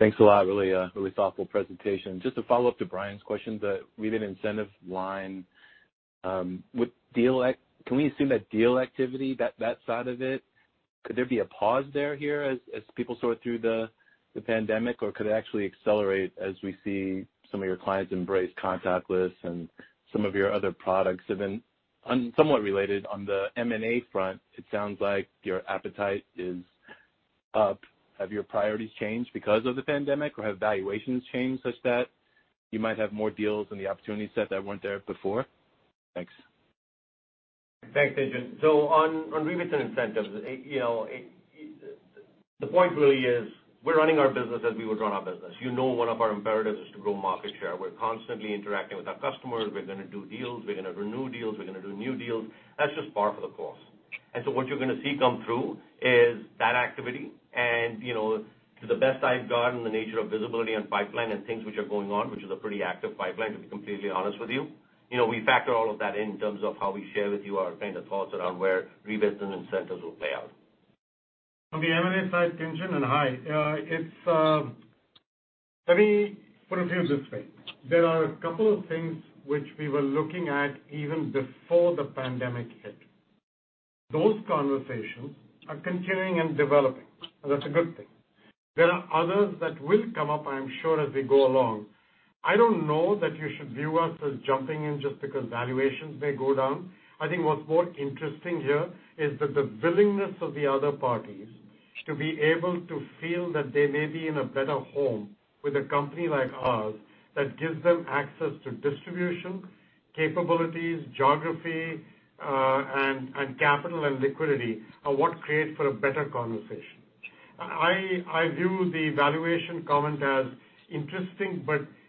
Thanks a lot, really thoughtful presentation. Just to follow up to Bryan's question, the rebate incentive line, can we assume that deal activity, that side of it, could there be a pause there here as people sort through the pandemic? Or could it actually accelerate as we see some of your clients embrace contactless and some of your other products? Somewhat related, on the M&A front, it sounds like your appetite is up. Have your priorities changed because of the pandemic? Have valuations changed such that you might have more deals in the opportunity set that weren't there before? Thanks. Thanks, Tien-tsin. On rebates and incentives, the point really is we're running our business as we would run our business. You know one of our imperatives is to grow market share. We're constantly interacting with our customers. We're going to do deals. We're going to renew deals. We're going to do new deals. That's just par for the course. What you're going to see come through is that activity and to the best I've gotten, the nature of visibility on pipeline and things which are going on, which is a pretty active pipeline, to be completely honest with you. We factor all of that in in terms of how we share with you our kind of thoughts around where rebates and incentives will play out. On the M&A side, Tien-tsin, and hi. Let me put it to you this way. There are a couple of things which we were looking at even before the pandemic hit. Those conversations are continuing and developing, and that's a good thing. There are others that will come up, I am sure, as we go along. I don't know that you should view us as jumping in just because valuations may go down. I think what's more interesting here is that the willingness of the other parties to be able to feel that they may be in a better home with a company like ours that gives them access to distribution, capabilities, geography, and capital and liquidity are what create for a better conversation. I view the valuation comment as interesting,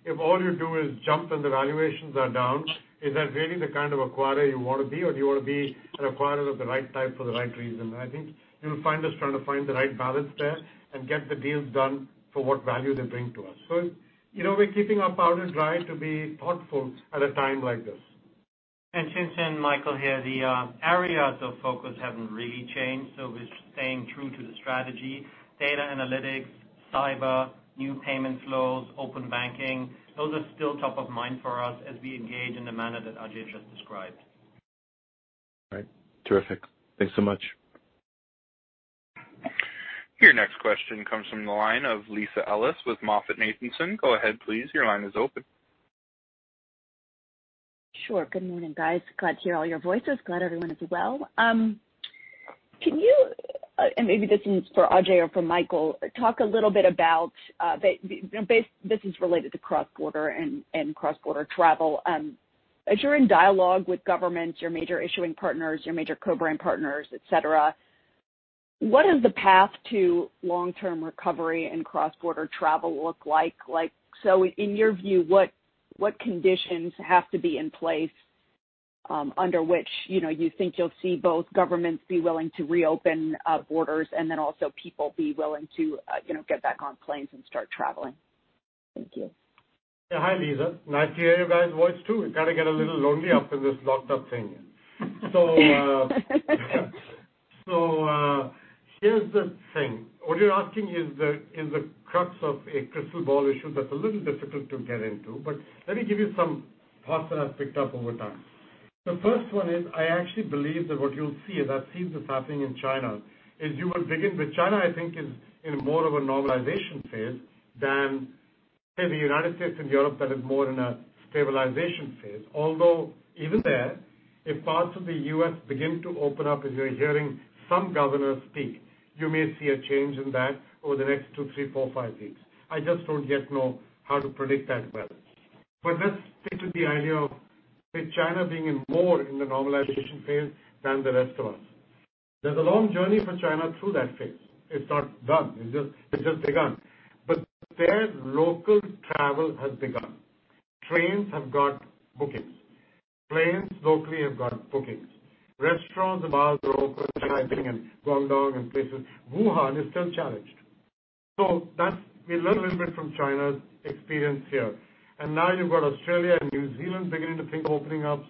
if all you do is jump when the valuations are down, is that really the kind of acquirer you want to be? Do you want to be an acquirer of the right type for the right reason? I think you'll find us trying to find the right balance there and get the deals done for what value they bring to us. We're keeping our powder dry to be thoughtful at a time like this. Tien-tsin, Michael here. The areas of focus haven't really changed. We're staying true to the strategy. Data analytics, cyber, new payment flows, open banking, those are still top of mind for us as we engage in the manner that Ajay just described. All right. Terrific. Thanks so much. Your next question comes from the line of Lisa Ellis with MoffettNathanson. Go ahead please, your line is open. Sure. Good morning, guys. Glad to hear all your voices. Glad everyone is well. Maybe this one's for Ajay or for Michael, talk a little bit about, this is related to cross-border and cross-border travel. As you're in dialogue with governments, your major issuing partners, your major co-brand partners, et cetera, what does the path to long-term recovery and cross-border travel look like? In your view, what conditions have to be in place, under which you think you'll see both governments be willing to reopen borders and then also people be willing to get back on planes and start traveling? Thank you. Yeah. Hi, Lisa. Nice to hear your guys' voice, too. It kind of get a little lonely up in this locked-up thing. Here's the thing. What you're asking is the crux of a crystal ball issue that's a little difficult to get into, but let me give you some thoughts that I've picked up over time. The first one is, I actually believe that what you'll see, as I've seen this happening in China, is you will begin with China, I think, is in more of a normalization phase than say, the United States and Europe that is more in a stabilization phase. Although even there, if parts of the U.S. begin to open up, as you're hearing some governors speak, you may see a change in that over the next two, three, four, five weeks. I just don't yet know how to predict that well. Let's stick with the idea of with China being in more in the normalization phase than the rest of us. There's a long journey for China through that phase. It's not done. It's just begun. Their local travel has begun. Trains have got bookings. Planes locally have got bookings. Restaurants and bars are open in Shanghai, and Guangdong, and places. Wuhan is still challenged. We learn a little bit from China's experience here, and now you've got Australia and New Zealand beginning to think of opening up.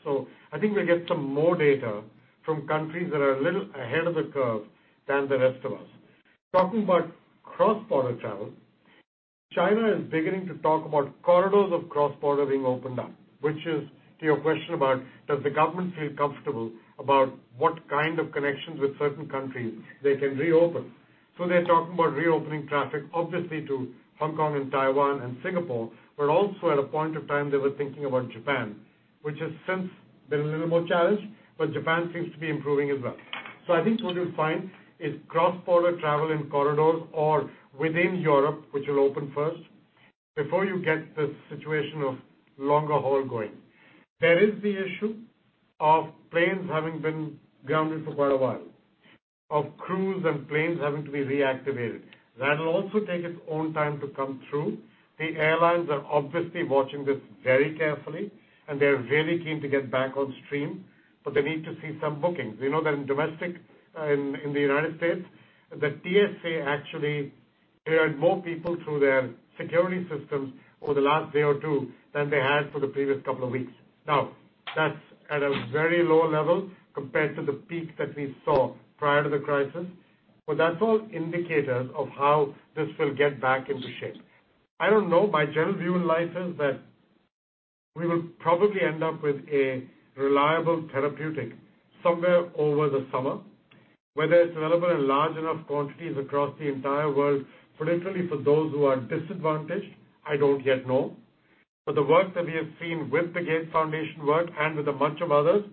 I think we'll get some more data from countries that are a little ahead of the curve than the rest of us. Talking about cross-border travel, China is beginning to talk about corridors of cross-border being opened up, which is to your question about does the government feel comfortable about what kind of connections with certain countries they can reopen? They're talking about reopening traffic, obviously, to Hong Kong and Taiwan and Singapore, but also at a point of time they were thinking about Japan, which has since been a little more challenged, but Japan seems to be improving as well. I think what you'll find is cross-border travel in corridors or within Europe, which will open first before you get this situation of longer haul going. There is the issue of planes having been grounded for quite a while, of crews and planes having to be reactivated. That'll also take its own time to come through. The airlines are obviously watching this very carefully, and they're very keen to get back on stream, but they need to see some bookings. We know that in domestic in the United States, the TSA actually cleared more people through their security systems over the last day or two than they had for the previous couple of weeks. Now, that's at a very low level compared to the peak that we saw prior to the crisis, but that's all indicators of how this will get back into shape. I don't know. My general view on life is that we will probably end up with a reliable therapeutic somewhere over the summer, whether it's available in large enough quantities across the entire world, particularly for those who are disadvantaged, I don't yet know. The work that we have seen with the Gates Foundation work and with a bunch of others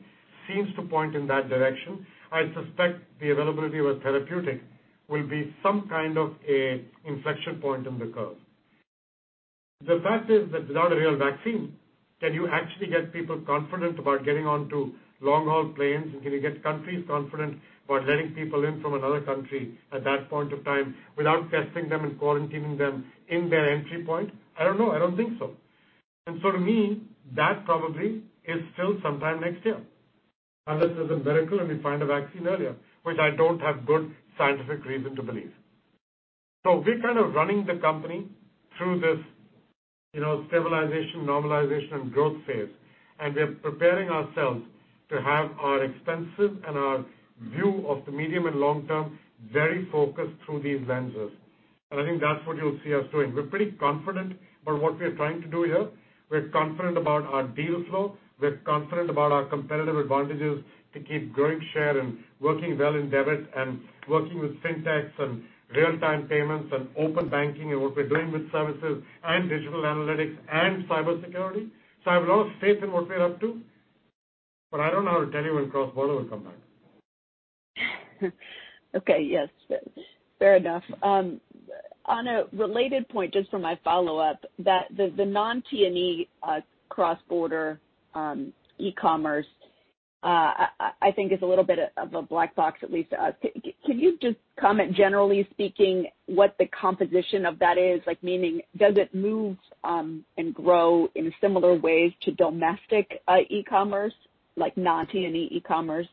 seems to point in that direction. I suspect the availability of a therapeutic will be some kind of a inflection point in the curve. The fact is that without a real vaccine, can you actually get people confident about getting onto long-haul planes? Can you get countries confident about letting people in from another country at that point of time without testing them and quarantining them in their entry point? I don't know. I don't think so. To me, that probably is still sometime next year, unless there's a miracle and we find a vaccine earlier, which I don't have good scientific reason to believe. We're kind of running the company through this stabilization, normalization, and growth phase, and we're preparing ourselves to have our expenses and our view of the medium and long-term very focused through these lenses. I think that's what you'll see us doing. We're pretty confident about what we're trying to do here. We're confident about our deal flow. We're confident about our competitive advantages to keep growing share and working well in debit and working with fintechs and real-time payments and open banking and what we're doing with services and digital analytics and cybersecurity. I have a lot of faith in what we're up to, but I don't know how to tell you when cross-border will come back. Okay. Yes. Fair enough. On a related point, just for my follow-up, the non-T&E cross-border e-commerce, I think is a little bit of a black box at least. Can you just comment, generally speaking, what the composition of that is? Meaning, does it move and grow in similar ways to domestic e-commerce, like non-T&E e-commerce?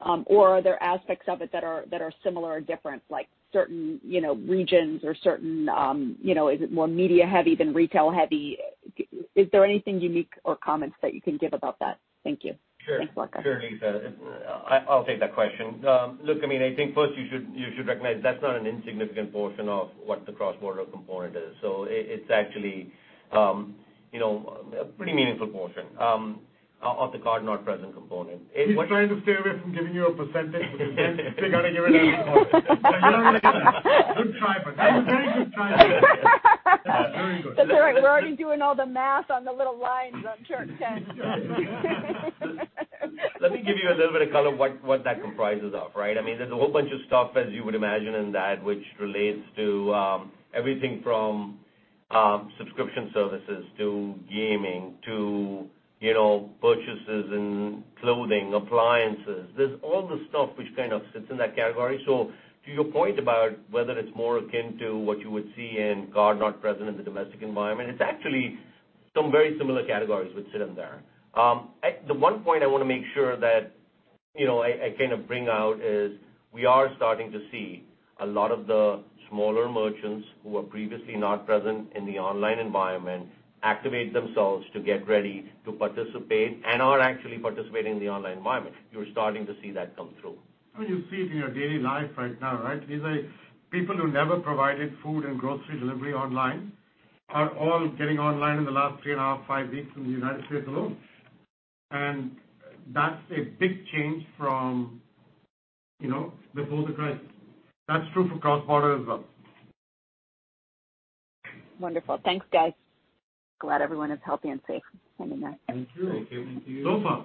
Are there aspects of it that are similar or different, like certain regions or is it more media-heavy than retail-heavy? Is there anything unique or comments that you can give about that? Thank you. Sure. Thanks a lot, guys. Sure, Lisa. I'll take that question. Look, I think first you should recognize that's not an insignificant portion of what the cross-border component is. It's actually a pretty meaningful portion of the card-not-present component. He's trying to stay away from giving you a percentage because then they're going to give it to us. Good try, but that was a very good try. That's all right. We're already doing all the math on the little lines on chart 10. Let me give you a little bit of color what that comprises of, right? There's a whole bunch of stuff, as you would imagine, in that which relates to everything from subscription services to gaming to purchases in clothing, appliances. There's all this stuff which kind of sits in that category. To your point about whether it's more akin to what you would see in card-not-present in the domestic environment, it's actually some very similar categories which sit in there. The one point I want to make sure that I kind of bring out is we are starting to see a lot of the smaller merchants who were previously not present in the online environment activate themselves to get ready to participate and are actually participating in the online environment. You're starting to see that come through. You see it in your daily life right now, right? These are people who never provided food and grocery delivery online are all getting online in the last three and a half, five weeks in the United States alone. That's a big change from before the crisis. That's true for cross-border as well. Wonderful. Thanks, guys. Glad everyone is healthy and safe. Sending that. Thank you. Thank you. So far.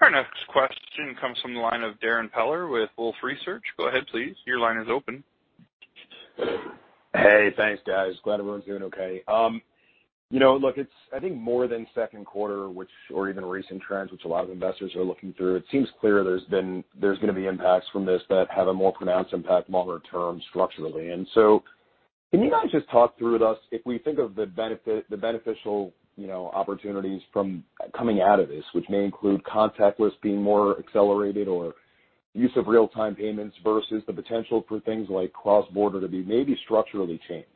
Our next question comes from the line of Darrin Peller with Wolfe Research. Go ahead please, your line is open. Hey, thanks guys. Glad everyone's doing okay. Look, it's I think more than second quarter or even recent trends, which a lot of investors are looking through. It seems clear there's going to be impacts from this that have a more pronounced impact longer term structurally. Can you guys just talk through with us if we think of the beneficial opportunities from coming out of this, which may include contactless being more accelerated or use of real-time payments versus the potential for things like cross-border to be maybe structurally changed.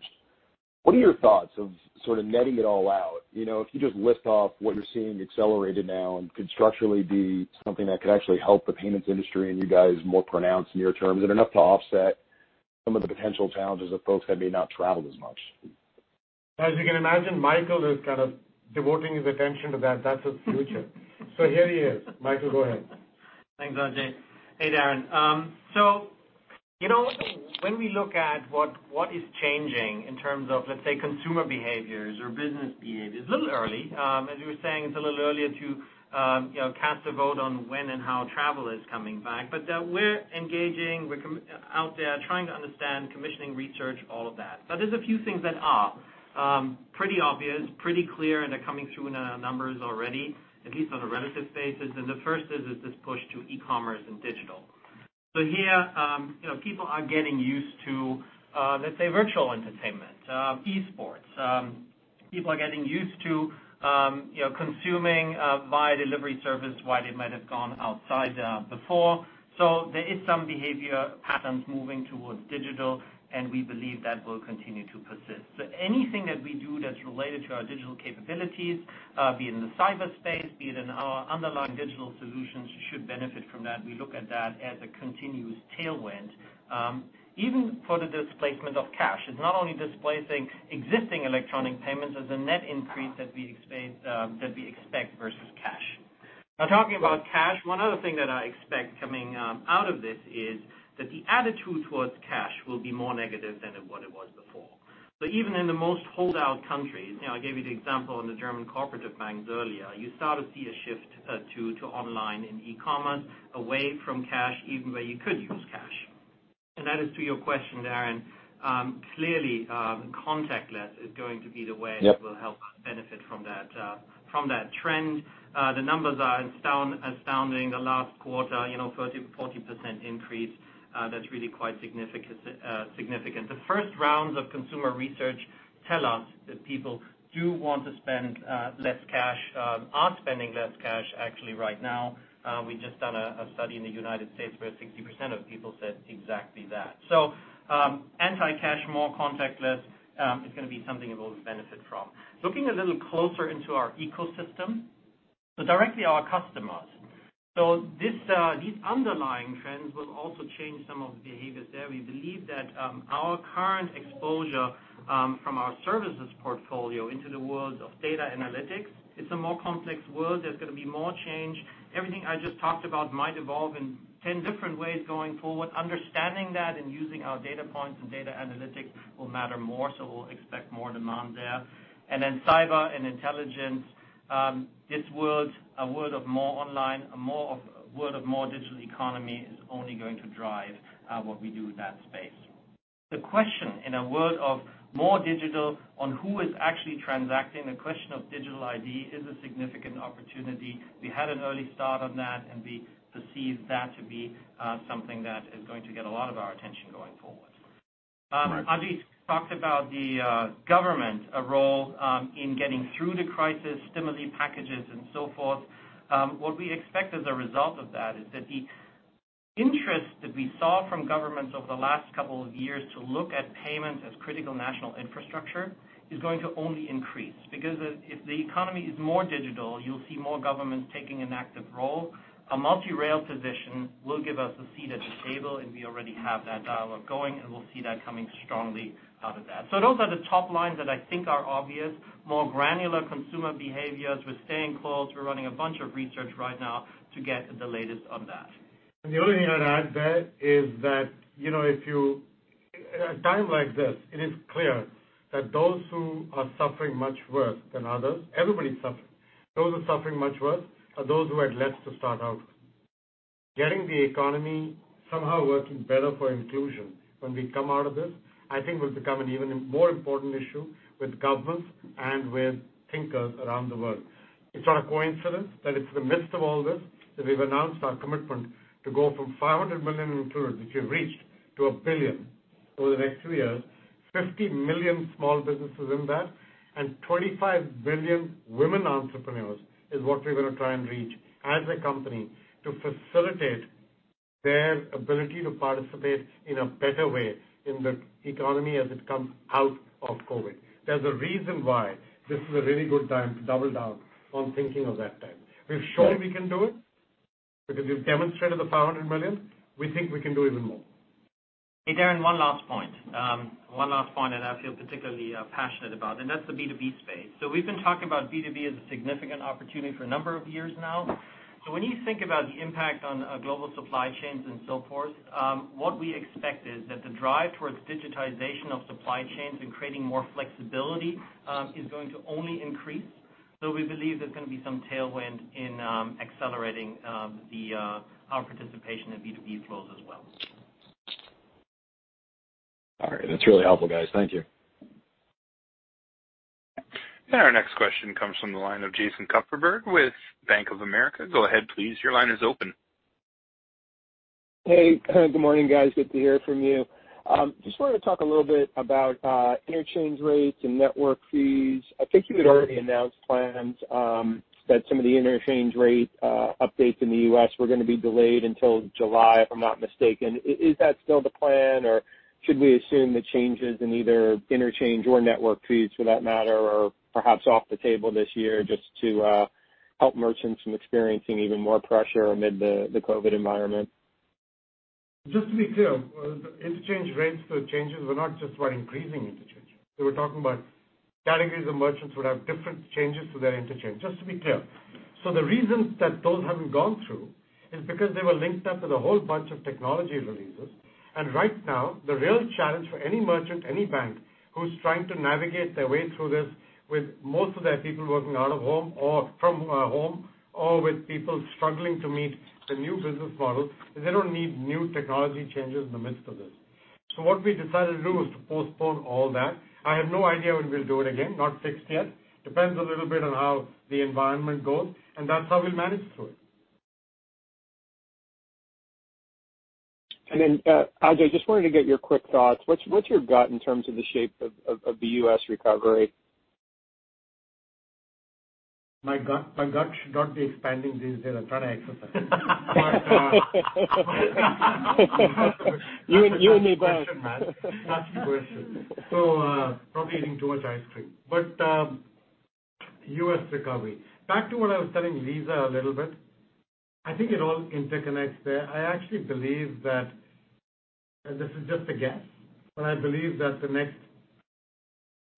What are your thoughts of sort of netting it all out? If you just list off what you're seeing accelerated now and could structurally be something that could actually help the payments industry and you guys more pronounced near term. Is it enough to offset some of the potential challenges of folks that may not travel as much? As you can imagine, Michael is kind of devoting his attention to that. That's his future. Here he is. Michael, go ahead. Thanks, Ajay. Hey, Darrin. When we look at what is changing in terms of, let's say, consumer behaviors or business behaviors, a little early. As we were saying, it's a little early to cast a vote on when and how travel is coming back. We're engaging. We're out there trying to understand, commissioning research, all of that. There's a few things that are pretty obvious, pretty clear, and they're coming through in our numbers already, at least on a relative basis. The first is this push to e-commerce and digital. Here people are getting used to, let's say, virtual entertainment, esports. People are getting used to consuming via delivery service while they might have gone outside before. There is some behavior patterns moving towards digital, and we believe that will continue to persist. Anything that we do that's related to our digital capabilities, be it in the cyberspace, be it in our underlying digital solutions, should benefit from that. We look at that as a continuous tailwind. Even for the displacement of cash. It's not only displacing existing electronic payments. There's a net increase that we expect versus cash. Talking about cash, one other thing that I expect coming out of this is that the attitude towards cash will be more negative than what it was before. Even in the most holdout countries, I gave you the example on the German cooperative banks earlier. You start to see a shift to online and e-commerce away from cash, even where you could use cash. That is to your question, Darrin. Clearly, contactless is going to be the way- Yep. that will help benefit from that trend. The numbers are astounding. The last quarter, 40% increase. That's really quite significant. The first rounds of consumer research tell us that people do want to spend less cash, are spending less cash actually right now. We've just done a study in the U.S. where 60% of people said exactly that. Anti-cash, more contactless is going to be something we'll benefit from. Looking a little closer into our ecosystem, so directly our customers. These underlying trends will also change some of the behaviors there. We believe that our current exposure from our services portfolio into the world of data analytics, it's a more complex world. There's going to be more change. Everything I just talked about might evolve in 10 different ways going forward. Understanding that and using our data points and data analytics will matter more. We'll expect more demand there. Cyber & Intelligence. This world, a world of more online, a world of more digital economy is only going to drive what we do in that space. The question in a world of more digital on who is actually transacting the question of digital ID is a significant opportunity. We had an early start on that, and we perceive that to be something that is going to get a lot of our attention going forward. Right. Ajay talked about the government role in getting through the crisis, stimuli packages and so forth. What we expect as a result of that is that the interest that we saw from governments over the last couple of years to look at payments as critical national infrastructure is going to only increase. If the economy is more digital, you'll see more governments taking an active role. A multi-rail position will give us a seat at the table, and we already have that dialogue going, and we'll see that coming strongly out of that. Those are the top lines that I think are obvious. More granular consumer behaviors. We're staying close. We're running a bunch of research right now to get the latest on that. The only thing I'd add there is that at a time like this, it is clear that those who are suffering much worse than others, everybody's suffering. Those who are suffering much worse are those who had less to start out. Getting the economy somehow working better for inclusion when we come out of this, I think will become an even more important issue with governments and with thinkers around the world. It's not a coincidence that it's in the midst of all this that we've announced our commitment to go from $500 million included, which we've reached, to $1 billion over the next three years. 50 million small businesses in that, and 25 million women entrepreneurs is what we're going to try and reach as a company to facilitate their ability to participate in a better way in the economy as it comes out of COVID-19. There's a reason why this is a really good time to double down on thinking of that time. We've shown we can do it because we've demonstrated the $500 million. We think we can do even more. Hey, Darrin, one last point. One last point that I feel particularly passionate about. That's the B2B space. We've been talking about B2B as a significant opportunity for a number of years now. When you think about the impact on global supply chains and so forth, what we expect is that the drive towards digitization of supply chains and creating more flexibility, is going to only increase. We believe there's going to be some tailwind in accelerating our participation in B2B flows as well. All right. That's really helpful, guys. Thank you. Our next question comes from the line of Jason Kupferberg with Bank of America. Go ahead, please. Your line is open. Hey. Good morning, guys. Good to hear from you. Just wanted to talk a little bit about interchange rates and network fees. I think you had already announced plans that some of the interchange rate updates in the U.S. were going to be delayed until July, if I'm not mistaken. Is that still the plan or should we assume the changes in either interchange or network fees for that matter, are perhaps off the table this year just to help merchants from experiencing even more pressure amid the COVID environment? Just to be clear, interchange rates, the changes were not just about increasing interchange rates. We were talking about categories of merchants would have different changes to their interchange, just to be clear. The reasons that those haven't gone through is because they were linked up with a whole bunch of technology releases. Right now, the real challenge for any merchant, any bank who's trying to navigate their way through this with most of their people working out of home or from home or with people struggling to meet the new business model, is they don't need new technology changes in the midst of this. What we decided to do was to postpone all that. I have no idea when we'll do it again, not fixed yet. Depends a little bit on how the environment goes, and that's how we'll manage through it. Ajay, just wanted to get your quick thoughts. What's your gut in terms of the shape of the U.S. recovery? My gut should not be expanding these days. I'm trying to exercise it. You and me both. Touchy question. Probably eating too much ice cream. U.S. recovery. Back to what I was telling Lisa a little bit, I think it all interconnects there. I actually believe that, and this is just a guess, but I believe that the next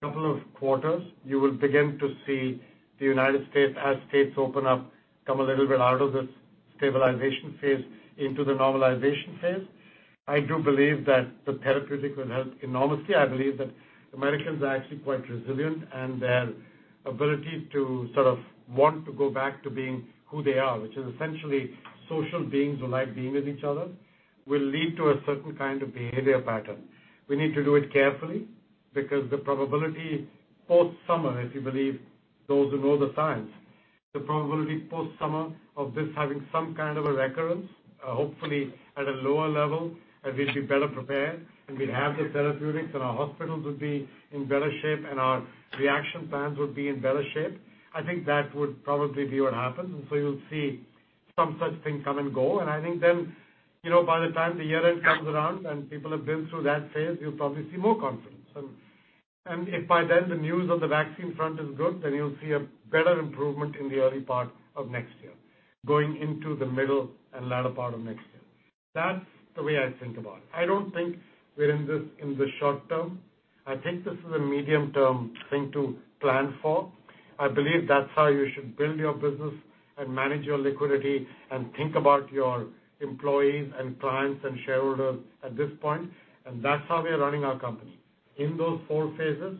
couple of quarters you will begin to see the United States as states open up, come a little bit out of this stabilization phase into the normalization phase. I do believe that the therapeutics will help enormously. I believe that Americans are actually quite resilient, and their ability to sort of want to go back to being who they are, which is essentially social beings who like being with each other, will lead to a certain kind of behavior pattern. We need to do it carefully because the probability post-summer, if you believe those who know the science, the probability post-summer of this having some kind of a recurrence, hopefully at a lower level, we'll be better prepared, and we'll have the therapeutics, and our hospitals will be in better shape, and our reaction plans will be in better shape. I think that would probably be what happens. You'll see some such thing come and go. I think then by the time the year-end comes around and people have been through that phase, you'll probably see more confidence. If by then the news on the vaccine front is good, then you'll see a better improvement in the early part of next year, going into the middle and latter part of next year. That's the way I think about it. I don't think we're in this in the short term. I think this is a medium-term thing to plan for. I believe that's how you should build your business and manage your liquidity and think about your employees and clients and shareholders at this point. That's how we are running our company, in those 4 phases.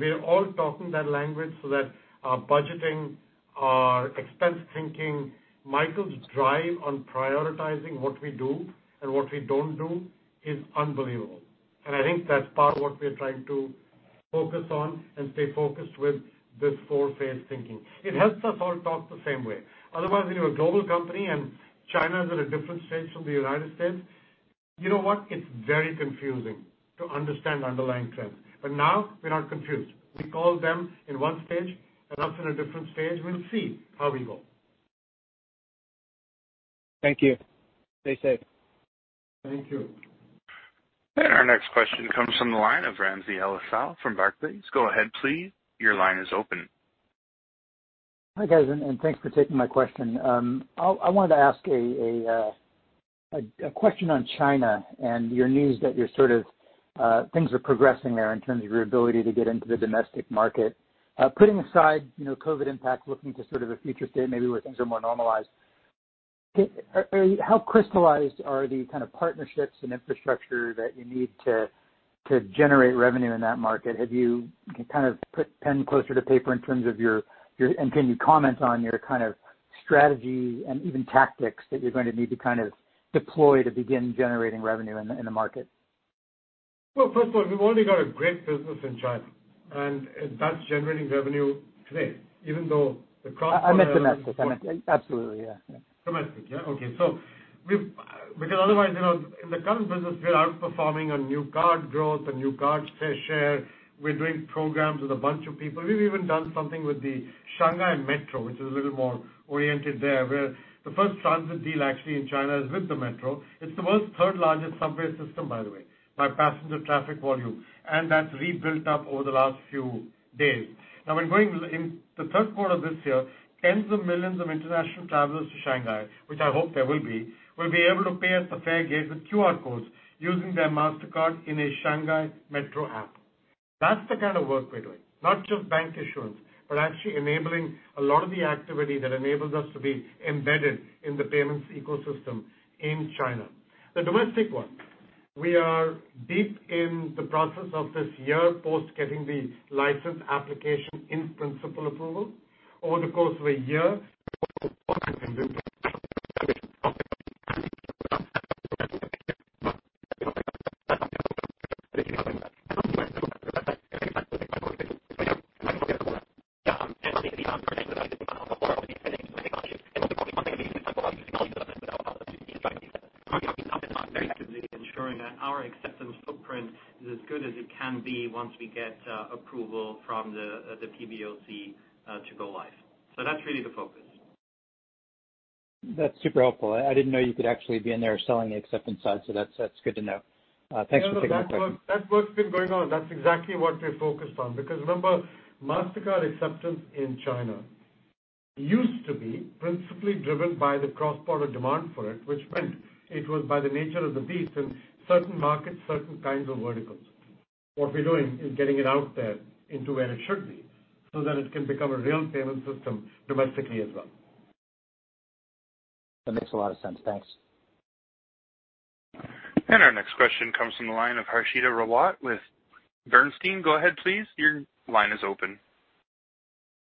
We are all talking that language so that our budgeting, our expense thinking, Michael's drive on prioritizing what we do and what we don't do is unbelievable. I think that's part of what we're trying to focus on and stay focused with this 4-phase thinking. It helps us all talk the same way. Otherwise, when you're a global company and China is at a different stage from the United States, you know what? It's very confusing to understand underlying trends. Now we're not confused. We call them in stage 1 and us in a different stage. We'll see how we go. Thank you. Stay safe. Thank you. Our next question comes from the line of Ramsey El-Assal from Barclays. Go ahead, please. Your line is open. Hi, guys, and thanks for taking my question. I wanted to ask a question on China and your news that you're sort of. Things are progressing there in terms of your ability to get into the domestic market. Putting aside COVID-19 impact, looking to sort of a future state, maybe where things are more normalized, how crystallized are the kind of partnerships and infrastructure that you need to generate revenue in that market? Have you kind of put pen closer to paper in terms of your, and can you comment on your kind of strategy and even tactics that you're going to need to kind of deploy to begin generating revenue in the market? Well, first of all, we've already got a great business in China, and that's generating revenue today, even though the cross border-. I meant domestic. Absolutely, yeah. Domestic. Yeah. Okay. Because otherwise, in the current business, we are outperforming on new card growth and new card share. We're doing programs with a bunch of people. We've even done something with the Shanghai Metro, which is a little more oriented there, where the first transit deal actually in China is with the Metro. It's the world's third largest subway system, by the way, by passenger traffic volume, and that's rebuilt up over the last few days. Now we're going in the third quarter of this year, tens of millions of international travelers to Shanghai, which I hope there will be, will be able to pay at the fare gate with QR codes using their Mastercard in a Shanghai Metro app. That's the kind of work we're doing, not just bank issuance, but actually enabling a lot of the activity that enables us to be embedded in the payments ecosystem in China. The domestic one, we are deep in the process of this year post getting the license application in principle approval over the course of a year. We are actively ensuring that our acceptance footprint is as good as it can be once we get approval from the PBOC to go live. That's really the focus. That's super helpful. I didn't know you could actually be in there selling the acceptance side, so that's good to know. Thanks for clearing that up. That work's been going on. That's exactly what we're focused on. Remember, Mastercard acceptance in China used to be principally driven by the cross-border demand for it, which meant it was by the nature of the beast in certain markets, certain kinds of verticals. What we're doing is getting it out there into where it should be so that it can become a real payment system domestically as well. That makes a lot of sense. Thanks. Our next question comes from the line of Harshita Rawat with Bernstein. Go ahead, please. Your line is open.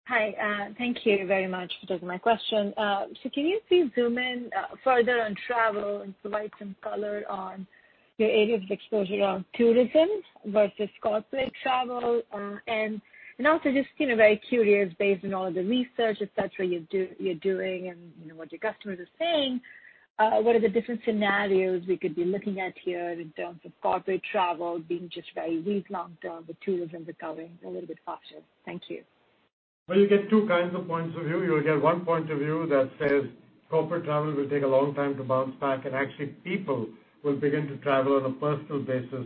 Hi, thank you very much for taking my question. Can you please zoom in further on travel and provide some color on your areas of exposure on tourism versus corporate travel, and also just very curious, based on all of the research, et cetera, you're doing and what your customers are saying, what are the different scenarios we could be looking at here in terms of corporate travel being just very weak long term, but tourism recovering a little bit faster? Thank you. Well, you'll get two kinds of points of view. You'll get one point of view that says corporate travel will take a long time to bounce back, and actually people will begin to travel on a personal basis,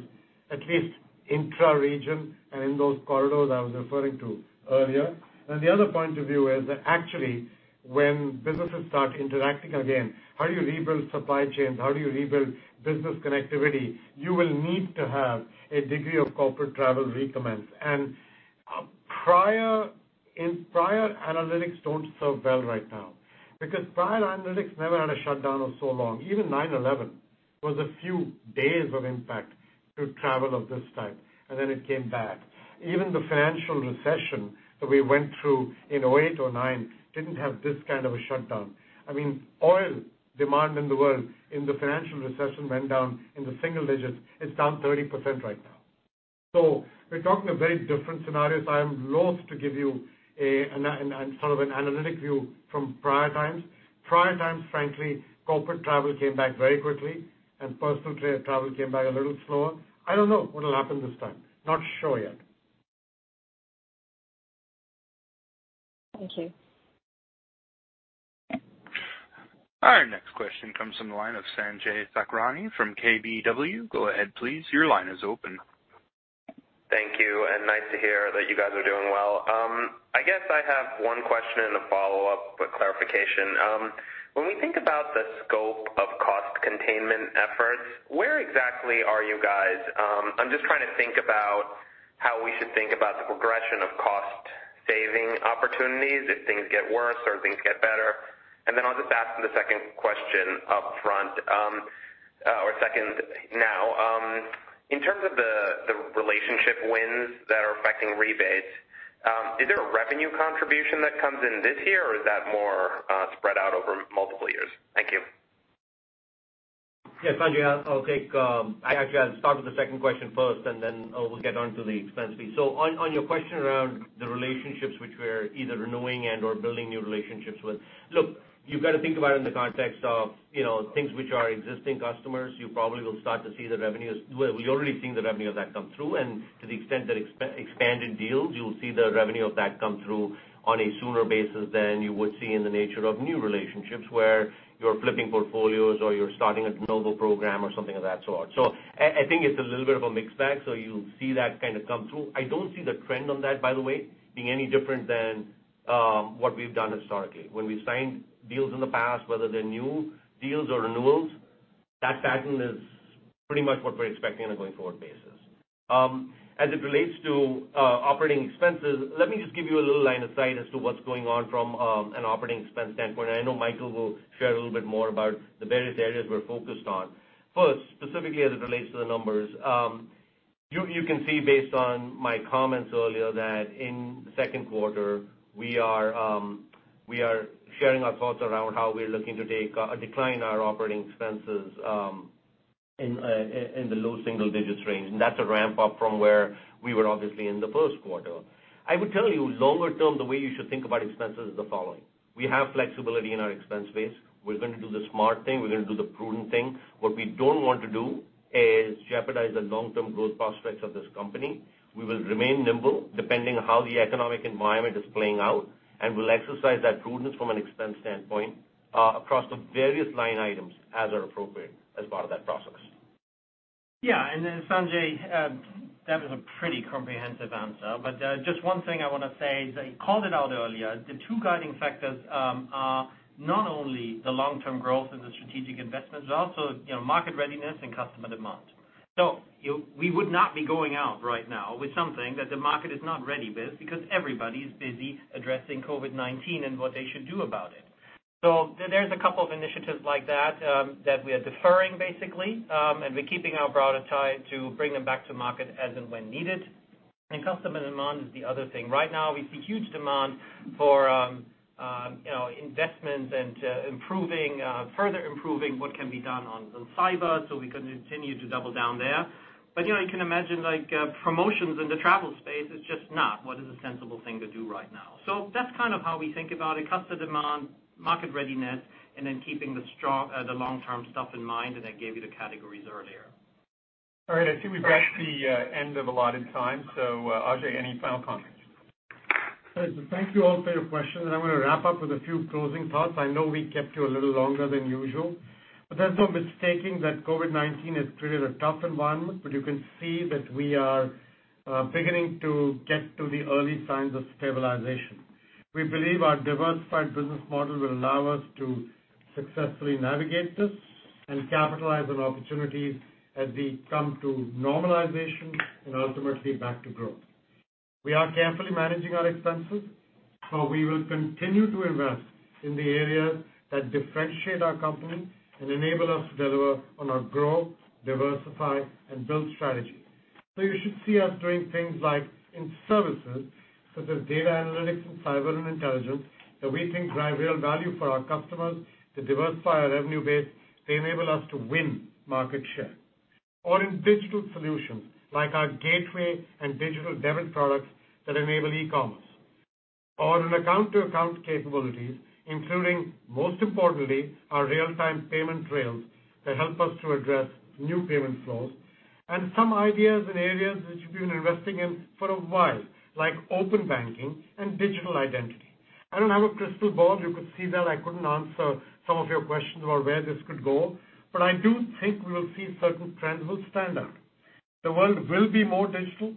at least intra region and in those corridors I was referring to earlier. The other point of view is that actually, when businesses start interacting again, how do you rebuild supply chains? How do you rebuild business connectivity? You will need to have a degree of corporate travel recommence. Prior analytics don't serve well right now, because prior analytics never had a shutdown of so long. Even 9/11 was a few days of impact to travel of this type, and then it came back. Even the financial recession that we went through in 2008 or 2009 didn't have this kind of a shutdown. Oil demand in the world in the financial recession went down into single digits. It's down 30% right now. We're talking of very different scenarios. I am lost to give you a sort of an analytic view from prior times. Prior times, frankly, corporate travel came back very quickly, and personal travel came back a little slower. I don't know what'll happen this time. Not sure yet. Thank you. Our next question comes from the line of Sanjay Sakhrani from KBW. Go ahead, please. Your line is open. Thank you. Nice to hear that you guys are doing well. I guess I have one question and a follow-up with clarification. When we think about the scope of cost containment efforts, where exactly are you guys? I'm just trying to think about how we should think about the progression of cost saving opportunities if things get worse or things get better. I'll just ask the second question up front. Second now. In terms of the relationship wins that are affecting rebates, is there a revenue contribution that comes in this year, or is that more spread out over multiple years? Thank you. Sanjay, I'll take, actually, I'll start with the second question first, and then we'll get on to the expense piece. On your question around the relationships which we're either renewing and/or building new relationships with. You've got to think about it in the context of things which are existing customers. You probably will start to see the revenues. Well, we already have seen the revenue of that come through, and to the extent that expanded deals, you'll see the revenue of that come through on a sooner basis than you would see in the nature of new relationships where you're flipping portfolios or you're starting a novel program or something of that sort. I think it's a little bit of a mixed bag. See that kind of come through. I don't see the trend on that, by the way, being any different than what we've done historically. When we signed deals in the past, whether they're new deals or renewals, that pattern is pretty much what we're expecting on a going forward basis. As it relates to operating expenses, let me just give you a little line of sight as to what's going on from an operating expense standpoint, and I know Michael will share a little bit more about the various areas we're focused on. First, specifically as it relates to the numbers, you can see based on my comments earlier, that in the second quarter, we are sharing our thoughts around how we're looking to take a decline in our operating expenses in the low single digits range. That's a ramp up from where we were obviously in the first quarter. I would tell you longer term, the way you should think about expenses is the following. We have flexibility in our expense base. We're going to do the smart thing. We're going to do the prudent thing. What we don't want to do is jeopardize the long-term growth prospects of this company. We will remain nimble depending on how the economic environment is playing out, and we'll exercise that prudence from an expense standpoint, across the various line items as are appropriate as part of that process. Yeah. Then Sanjay, that was a pretty comprehensive answer. Just one thing I want to say is that you called it out earlier. The two guiding factors are not only the long-term growth and the strategic investments, but also market readiness and customer demand. We would not be going out right now with something that the market is not ready with because everybody's busy addressing COVID-19 and what they should do about it. There's a couple of initiatives like that we are deferring basically, and we're keeping our powder dry to bring them back to market as and when needed. Customer demand is the other thing. Right now, we see huge demand for investments and further improving what can be done on cyber so we can continue to double down there. You can imagine promotions in the travel space is just not what is a sensible thing to do right now. That's kind of how we think about it. Customer demand, market readiness, and then keeping the long-term stuff in mind, and I gave you the categories earlier. All right. I think we've reached the end of allotted time. Ajay, any final comments? Thank you all for your questions, and I'm going to wrap up with a few closing thoughts. I know we kept you a little longer than usual, but there's no mistaking that COVID-19 has created a tough environment. You can see that we are beginning to get to the early signs of stabilization. We believe our diversified business model will allow us to successfully navigate this and capitalize on opportunities as we come to normalization and ultimately back to growth. We are carefully managing our expenses, so we will continue to invest in the areas that differentiate our company and enable us to deliver on our growth, diversify, and build strategy. You should see us doing things like in services such as data analytics and Cyber & Intelligence, that we think drive real value for our customers to diversify our revenue base to enable us to win market share. In digital solutions like our gateway and digital debit products that enable e-commerce. In account-to-account capabilities, including, most importantly, our real-time payment rails that help us to address new payment flows and some ideas and areas which we've been investing in for a while, like open banking and digital identity. I don't have a crystal ball. You could see that I couldn't answer some of your questions about where this could go, but I do think we will see certain trends will stand out. The world will be more digital,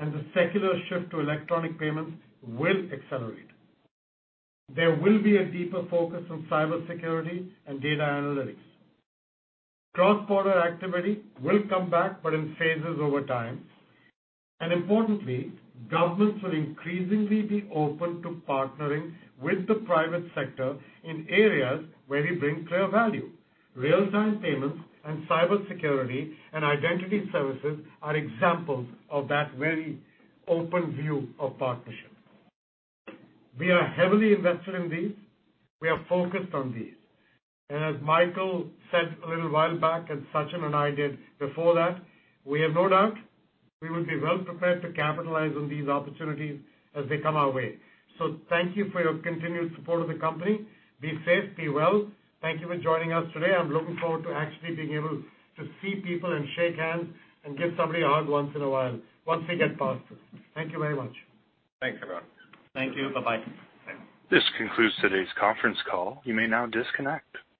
and the secular shift to electronic payments will accelerate. There will be a deeper focus on cybersecurity and data analytics. Cross-border activity will come back, but in phases over time. Importantly, governments will increasingly be open to partnering with the private sector in areas where we bring clear value. Real-time payments and cybersecurity and identity services are examples of that very open view of partnership. We are heavily invested in these. We are focused on these. As Michael said a little while back, and Sachin and I did before that, we have no doubt we will be well prepared to capitalize on these opportunities as they come our way. Thank you for your continued support of the company. Be safe, be well. Thank you for joining us today. I'm looking forward to actually being able to see people and shake hands and give somebody a hug once in a while, once we get past this. Thank you very much. Thanks a lot. Thank you. Bye-bye. This concludes today's conference call. You may now disconnect.